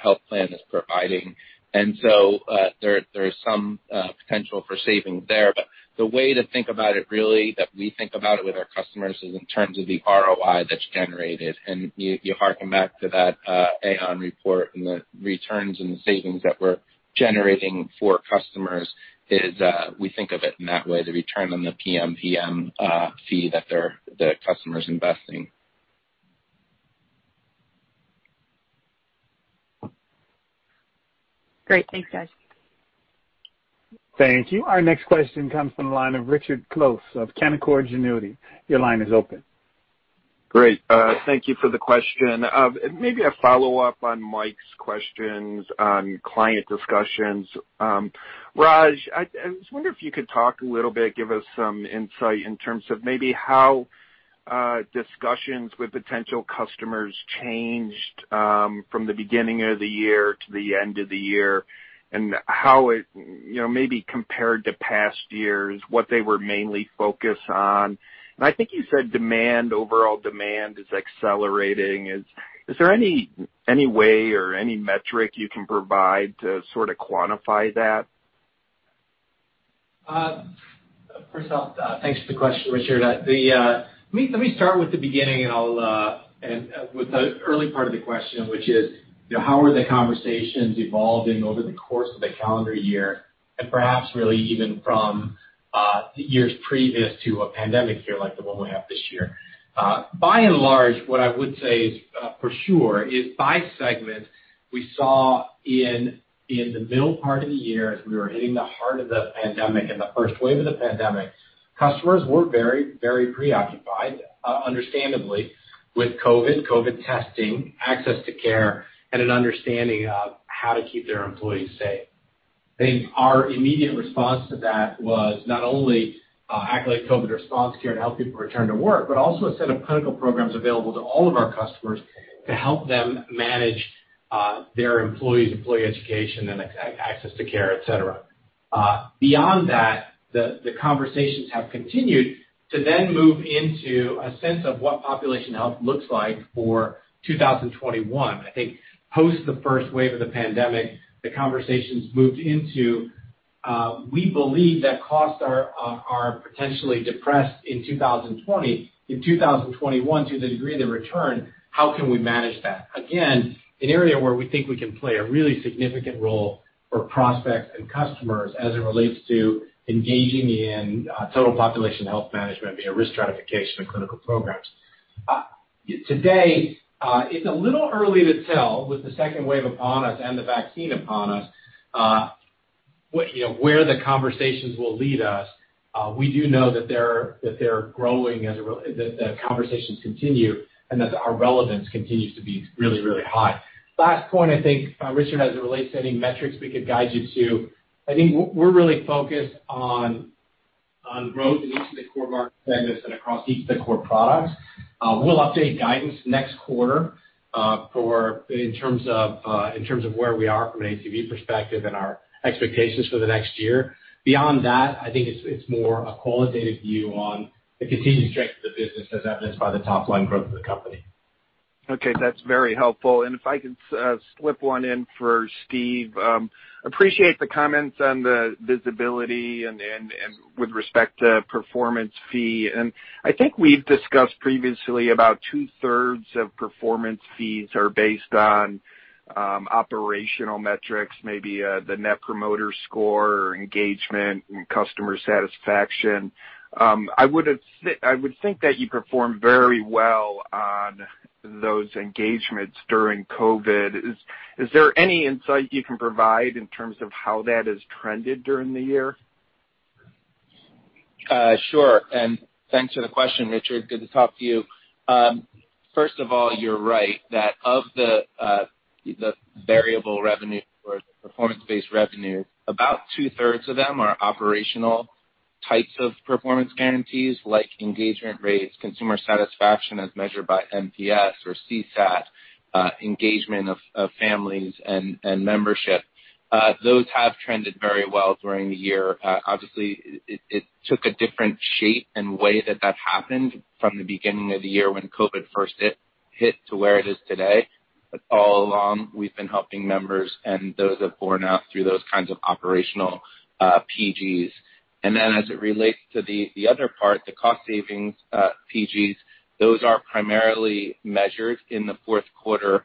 health plan is providing. There is some potential for savings there. The way to think about it, really, that we think about it with our customers, is in terms of the ROI that's generated. You harken back to that Aon report, and the returns and the savings that we're generating for customers is, we think of it in that way, the return on the PMPM fee that the customer's investing. Great. Thanks, guys. Thank you. Our next question comes from the line of Richard Close of Canaccord Genuity. Your line is open. Great. Thank you for the question. Maybe a follow-up on Mike's questions on client discussions. Raj, I was wondering if you could talk a little bit, give us some insight in terms of maybe how discussions with potential customers changed from the beginning of the year to the end of the year, and how it maybe compared to past years, what they were mainly focused on. I think you said demand, overall demand, is accelerating. Is there any way or any metric you can provide to sort of quantify that? First off, thanks for the question, Richard. Let me start with the beginning, and I'll end with the early part of the question, which is: How are the conversations evolving over the course of the calendar year, and perhaps really even from years previous to a pandemic year like the one we have this year? By and large, what I would say for sure is by segment, we saw in the middle part of the year, as we were hitting the heart of the pandemic and the first wave of the pandemic, customers were very preoccupied, understandably, with COVID-19, COVID-19 testing, access to care, and an understanding of how to keep their employees safe. I think our immediate response to that was not only Accolade COVID Response Care to help people return to work, but also a set of clinical programs available to all of our customers to help them manage their employees, employee education, and access to care, et cetera. Beyond that, the conversations have continued to then move into a sense of what population health looks like for 2021. I think post the first wave of the pandemic, the conversations moved into, we believe that costs are potentially depressed in 2020. In 2021, to the degree they return, how can we manage that? Again, an area where we think we can play a really significant role for prospects and customers as it relates to engaging in total population health management via risk stratification and clinical programs. Today, it's a little early to tell, with the second wave upon us and the vaccine upon us, where the conversations will lead us. We do know that they're growing, that conversations continue, and that our relevance continues to be really, really high. Last point, I think, Richard, as it relates to any metrics we could guide you to, I think we're really focused on growth in each of the core market segments and across each of the core products. We'll update guidance next quarter in terms of where we are from an ACV perspective and our expectations for the next year. Beyond that, I think it's more a qualitative view on the continued strength of the business as evidenced by the top-line growth of the company. Okay, that's very helpful. If I can slip one in for Steve, appreciate the comments on the visibility and with respect to performance fee. I think we've discussed previously about two-thirds of performance fees are based on operational metrics, maybe the net promoter score or engagement and customer satisfaction. I would think that you performed very well on those engagements during COVID. Is there any insight you can provide in terms of how that has trended during the year? Sure, thanks for the question, Richard. Good to talk to you. First of all, you're right that of the variable revenue, or the performance-based revenue, about two-thirds of them are operational types of performance guarantees like engagement rates, consumer satisfaction as measured by NPS or CSAT, engagement of families, and membership. Those have trended very well during the year. Obviously, it took a different shape and way that that happened from the beginning of the year when COVID first hit to where it is today. All along, we've been helping members, and those have borne out through those kinds of operational PGs. Then as it relates to the other part, the cost savings PGs, those are primarily measured in the fourth quarter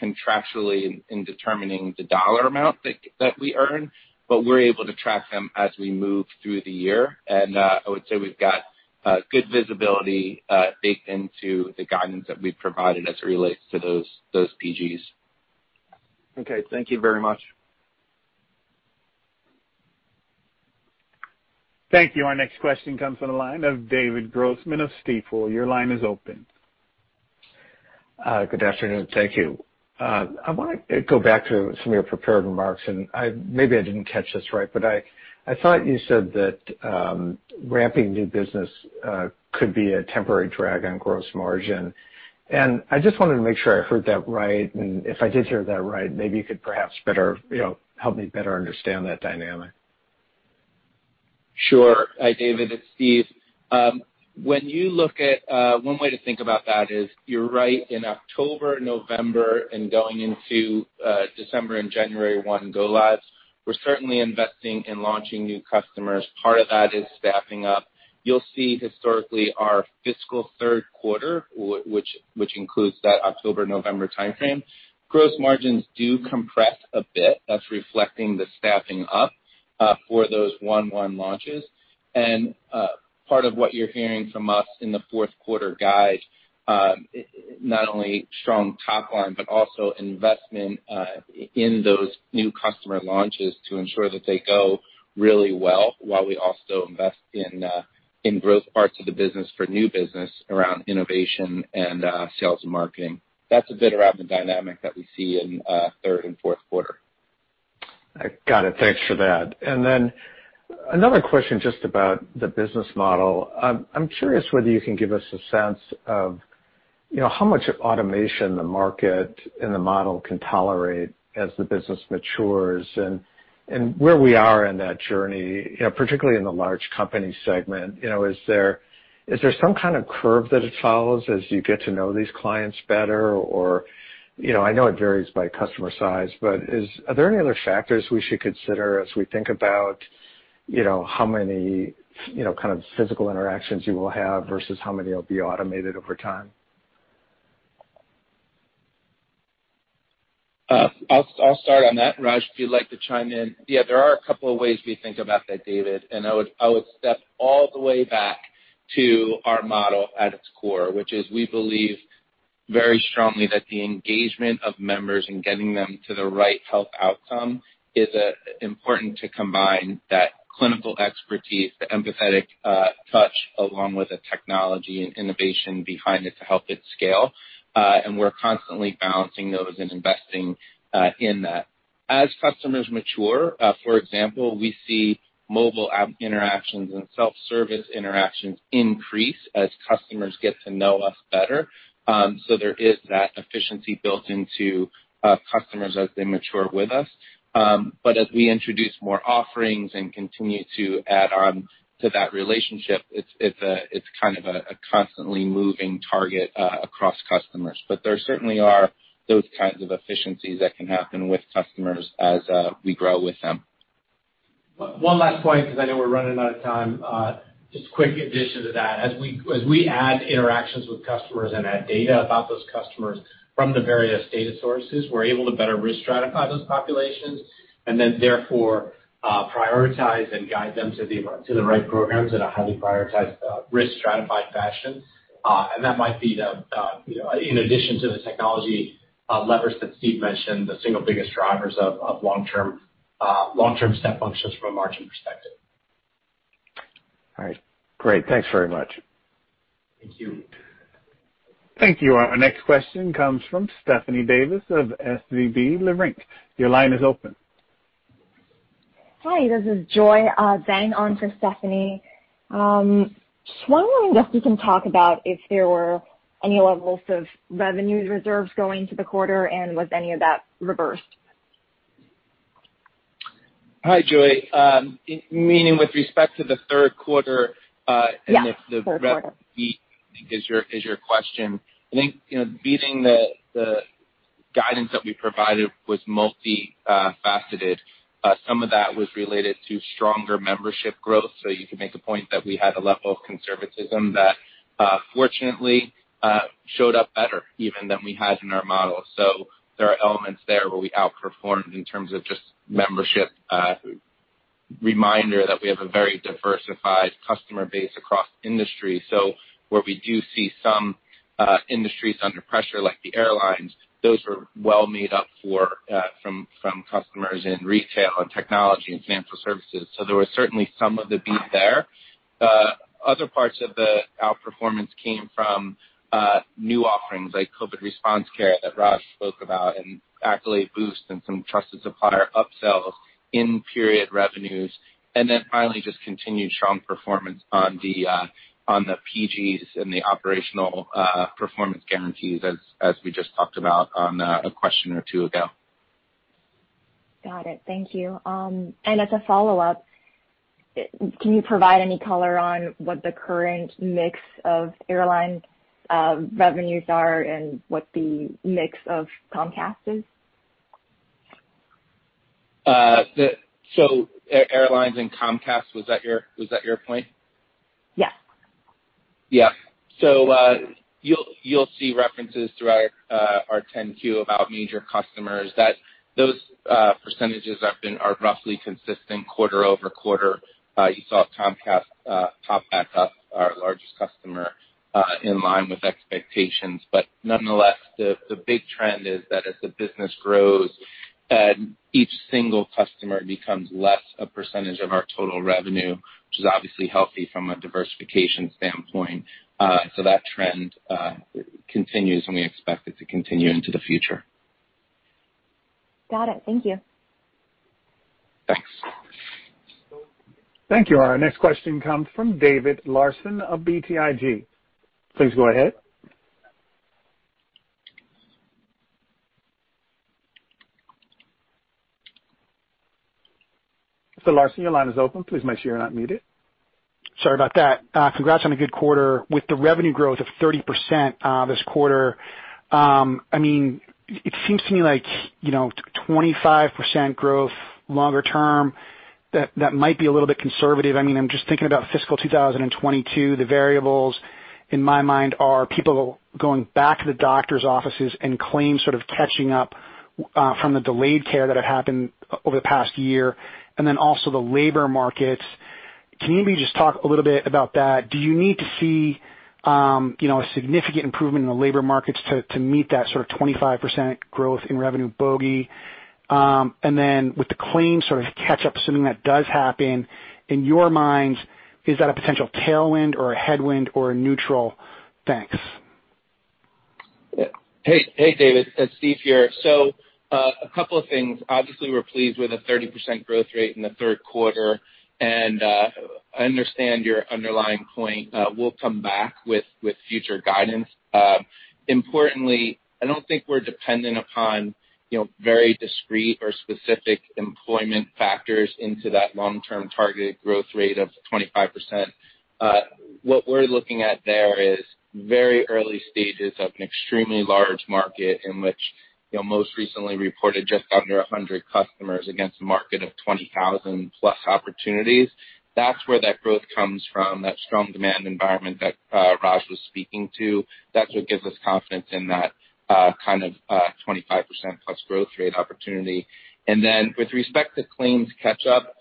contractually in determining the dollar amount that we earn. We're able to track them as we move through the year. I would say we've got good visibility baked into the guidance that we've provided as it relates to those PGs. Okay. Thank you very much. Thank you. Our next question comes from the line of David Grossman of Stifel. Your line is open. Good afternoon. Thank you. I want to go back to some of your prepared remarks, and maybe I didn't catch this right, but I thought you said that ramping new business could be a temporary drag on gross margin. I just wanted to make sure I heard that right. If I did hear that right, maybe you could perhaps help me better understand that dynamic. Sure. David, it's Steve. One way to think about that is, you're right. In October, November, and going into December and January one go lives, we're certainly investing in launching new customers. Part of that is staffing up. You'll see historically our fiscal third quarter, which includes that October-November timeframe, gross margins do compress a bit. That's reflecting the staffing up for those one-one launches. Part of what you're hearing from us in the fourth quarter guide, not only strong top line, but also investment in those new customer launches to ensure that they go really well while we also invest in growth parts of the business for new business around innovation and sales and marketing. That's a bit around the dynamic that we see in third and fourth quarter. Got it. Thanks for that. Another question just about the business model. I'm curious whether you can give us a sense of how much automation the market and the model can tolerate as the business matures and where we are in that journey, particularly in the large company segment. Is there some kind of curve that it follows as you get to know these clients better? I know it varies by customer size, are there any other factors we should consider as we think about how many kind of physical interactions you will have versus how many will be automated over time? I'll start on that. Raj, if you'd like to chime in. Yeah, there are a couple of ways we think about that, David. I would step all the way back to our model at its core, which is we believe very strongly that the engagement of members in getting them to the right health outcome is important to combine that clinical expertise, the empathetic touch, along with the technology and innovation behind it to help it scale. We're constantly balancing those and investing in that. As customers mature, for example, we see mobile app interactions and self-service interactions increase as customers get to know us better. There is that efficiency built into customers as they mature with us. As we introduce more offerings and continue to add on to that relationship, it's kind of a constantly moving target across customers. There certainly are those kinds of efficiencies that can happen with customers as we grow with them. One last point, because I know we're running out of time. Just a quick addition to that. As we add interactions with customers and add data about those customers from the various data sources, we're able to better restratify those populations and then therefore prioritize and guide them to the right programs in a highly prioritized, risk-stratified fashion. That might be the, in addition to the technology levers that Steve mentioned, the single biggest drivers of long-term step functions from a margin perspective. All right, great. Thanks very much. Thank you. Thank you. Our next question comes from Stephanie Davis of SVB Leerink. Your line is open. Hi, this is Joy Zhang on for Stephanie. Just wondering if you can talk about if there were any levels of revenues reserves going into the quarter, and was any of that reversed? Hi, Joy. Meaning with respect to the third quarter. Yeah, third quarter. If the revenue beat, I think is your question? Beating the guidance that we provided was multifaceted. Some of that was related to stronger membership growth. You could make a point that we had a level of conservatism that, fortunately, showed up better even than we had in our model. There are elements there where we outperformed in terms of just membership. A reminder that we have a very diversified customer base across industries. Where we do see some industries under pressure, like the airlines, those were well made up for from customers in retail and technology and financial services. There was certainly some of the beat there. Other parts of the outperformance came from new offerings like COVID Response Care that Raj spoke about and Accolade Boost and some trusted supplier upsells. In-period revenues, then finally, just continued strong performance on the PGs and the operational performance guarantees as we just talked about on a question or two ago. Got it. Thank you. As a follow-up, can you provide any color on what the current mix of airline revenues are and what the mix of Comcast is? Airlines and Comcast, was that your point? Yes. Yeah. You'll see references throughout our 10-Q about major customers, that those percentages are roughly consistent quarter-over-quarter. You saw Comcast pop back up, our largest customer, in line with expectations. Nonetheless, the big trend is that as the business grows, each single customer becomes less a percentage of our total revenue, which is obviously healthy from a diversification standpoint. That trend continues, and we expect it to continue into the future. Got it. Thank you. Thanks. Thank you. Our next question comes from David Larsen of BTIG. Please go ahead. Mr. Larsen, your line is open. Please make sure you are not muted. Sorry about that. Congrats on a good quarter. With the revenue growth of 30% this quarter, it seems to me like 25% growth longer term, that that might be a little bit conservative. I'm just thinking about fiscal 2022. The variables in my mind are people going back to the doctor's offices and claims sort of catching up from the delayed care that had happened over the past year, also the labor markets. Can you maybe just talk a little bit about that? Do you need to see a significant improvement in the labor markets to meet that sort of 25% growth in revenue bogey? With the claims sort of catch-up, assuming that does happen, in your minds, is that a potential tailwind or a headwind or a neutral? Thanks. Hey, David. It's Steve here. A couple of things. Obviously, we're pleased with a 30% growth rate in the third quarter, and I understand your underlying point. We'll come back with future guidance. Importantly, I don't think we're dependent upon very discreet or specific employment factors into that long-term targeted growth rate of 25%. What we're looking at there is very early stages of an extremely large market in which most recently reported just under 100 customers against a market of 20,000+ opportunities. That's where that growth comes from, that strong demand environment that Raj was speaking to. That's what gives us confidence in that kind of 25%+ growth rate opportunity. With respect to claims catch-up,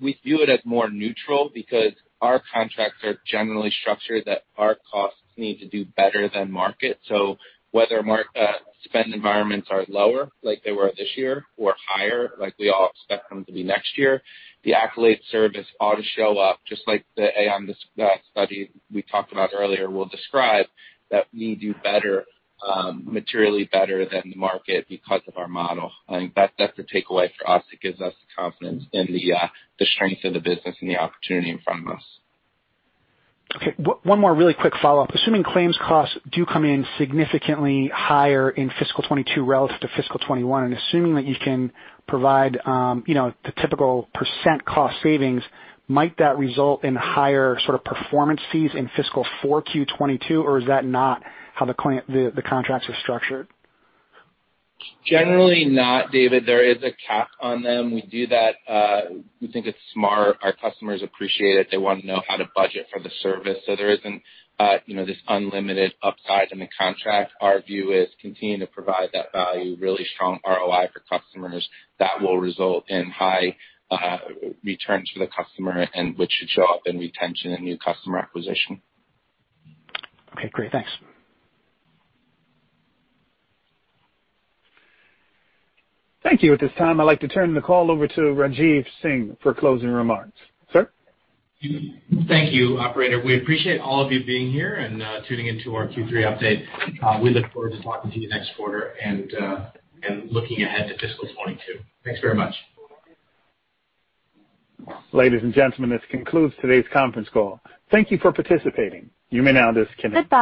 we view it as more neutral because our contracts are generally structured that our costs need to do better than market. Whether spend environments are lower like they were this year or higher like we all expect them to be next year, the Accolade service ought to show up just like the Aon study we talked about earlier will describe, that we do better, materially better than the market because of our model. I think that's the takeaway for us. It gives us the confidence in the strength of the business and the opportunity in front of us. Okay. One more really quick follow-up. Assuming claims costs do come in significantly higher in fiscal 2022 relative to fiscal 2021, and assuming that you can provide the typical percent cost savings, might that result in higher sort of performance fees in fiscal 4Q 2022, or is that not how the contracts are structured? Generally not, David. There is a cap on them. We do that. We think it's smart. Our customers appreciate it. They want to know how to budget for the service. There isn't this unlimited upside in the contract. Our view is continuing to provide that value, really strong ROI for customers, that will result in high returns for the customer and which should show up in retention and new customer acquisition. Okay, great. Thanks. Thank you. At this time, I'd like to turn the call over to Rajeev Singh for closing remarks. Sir? Thank you, operator. We appreciate all of you being here and tuning into our Q3 update. We look forward to talking to you next quarter and looking ahead to fiscal 2022. Thanks very much. Ladies and gentlemen, this concludes today's conference call. Thank you for participating. You may now disconnect.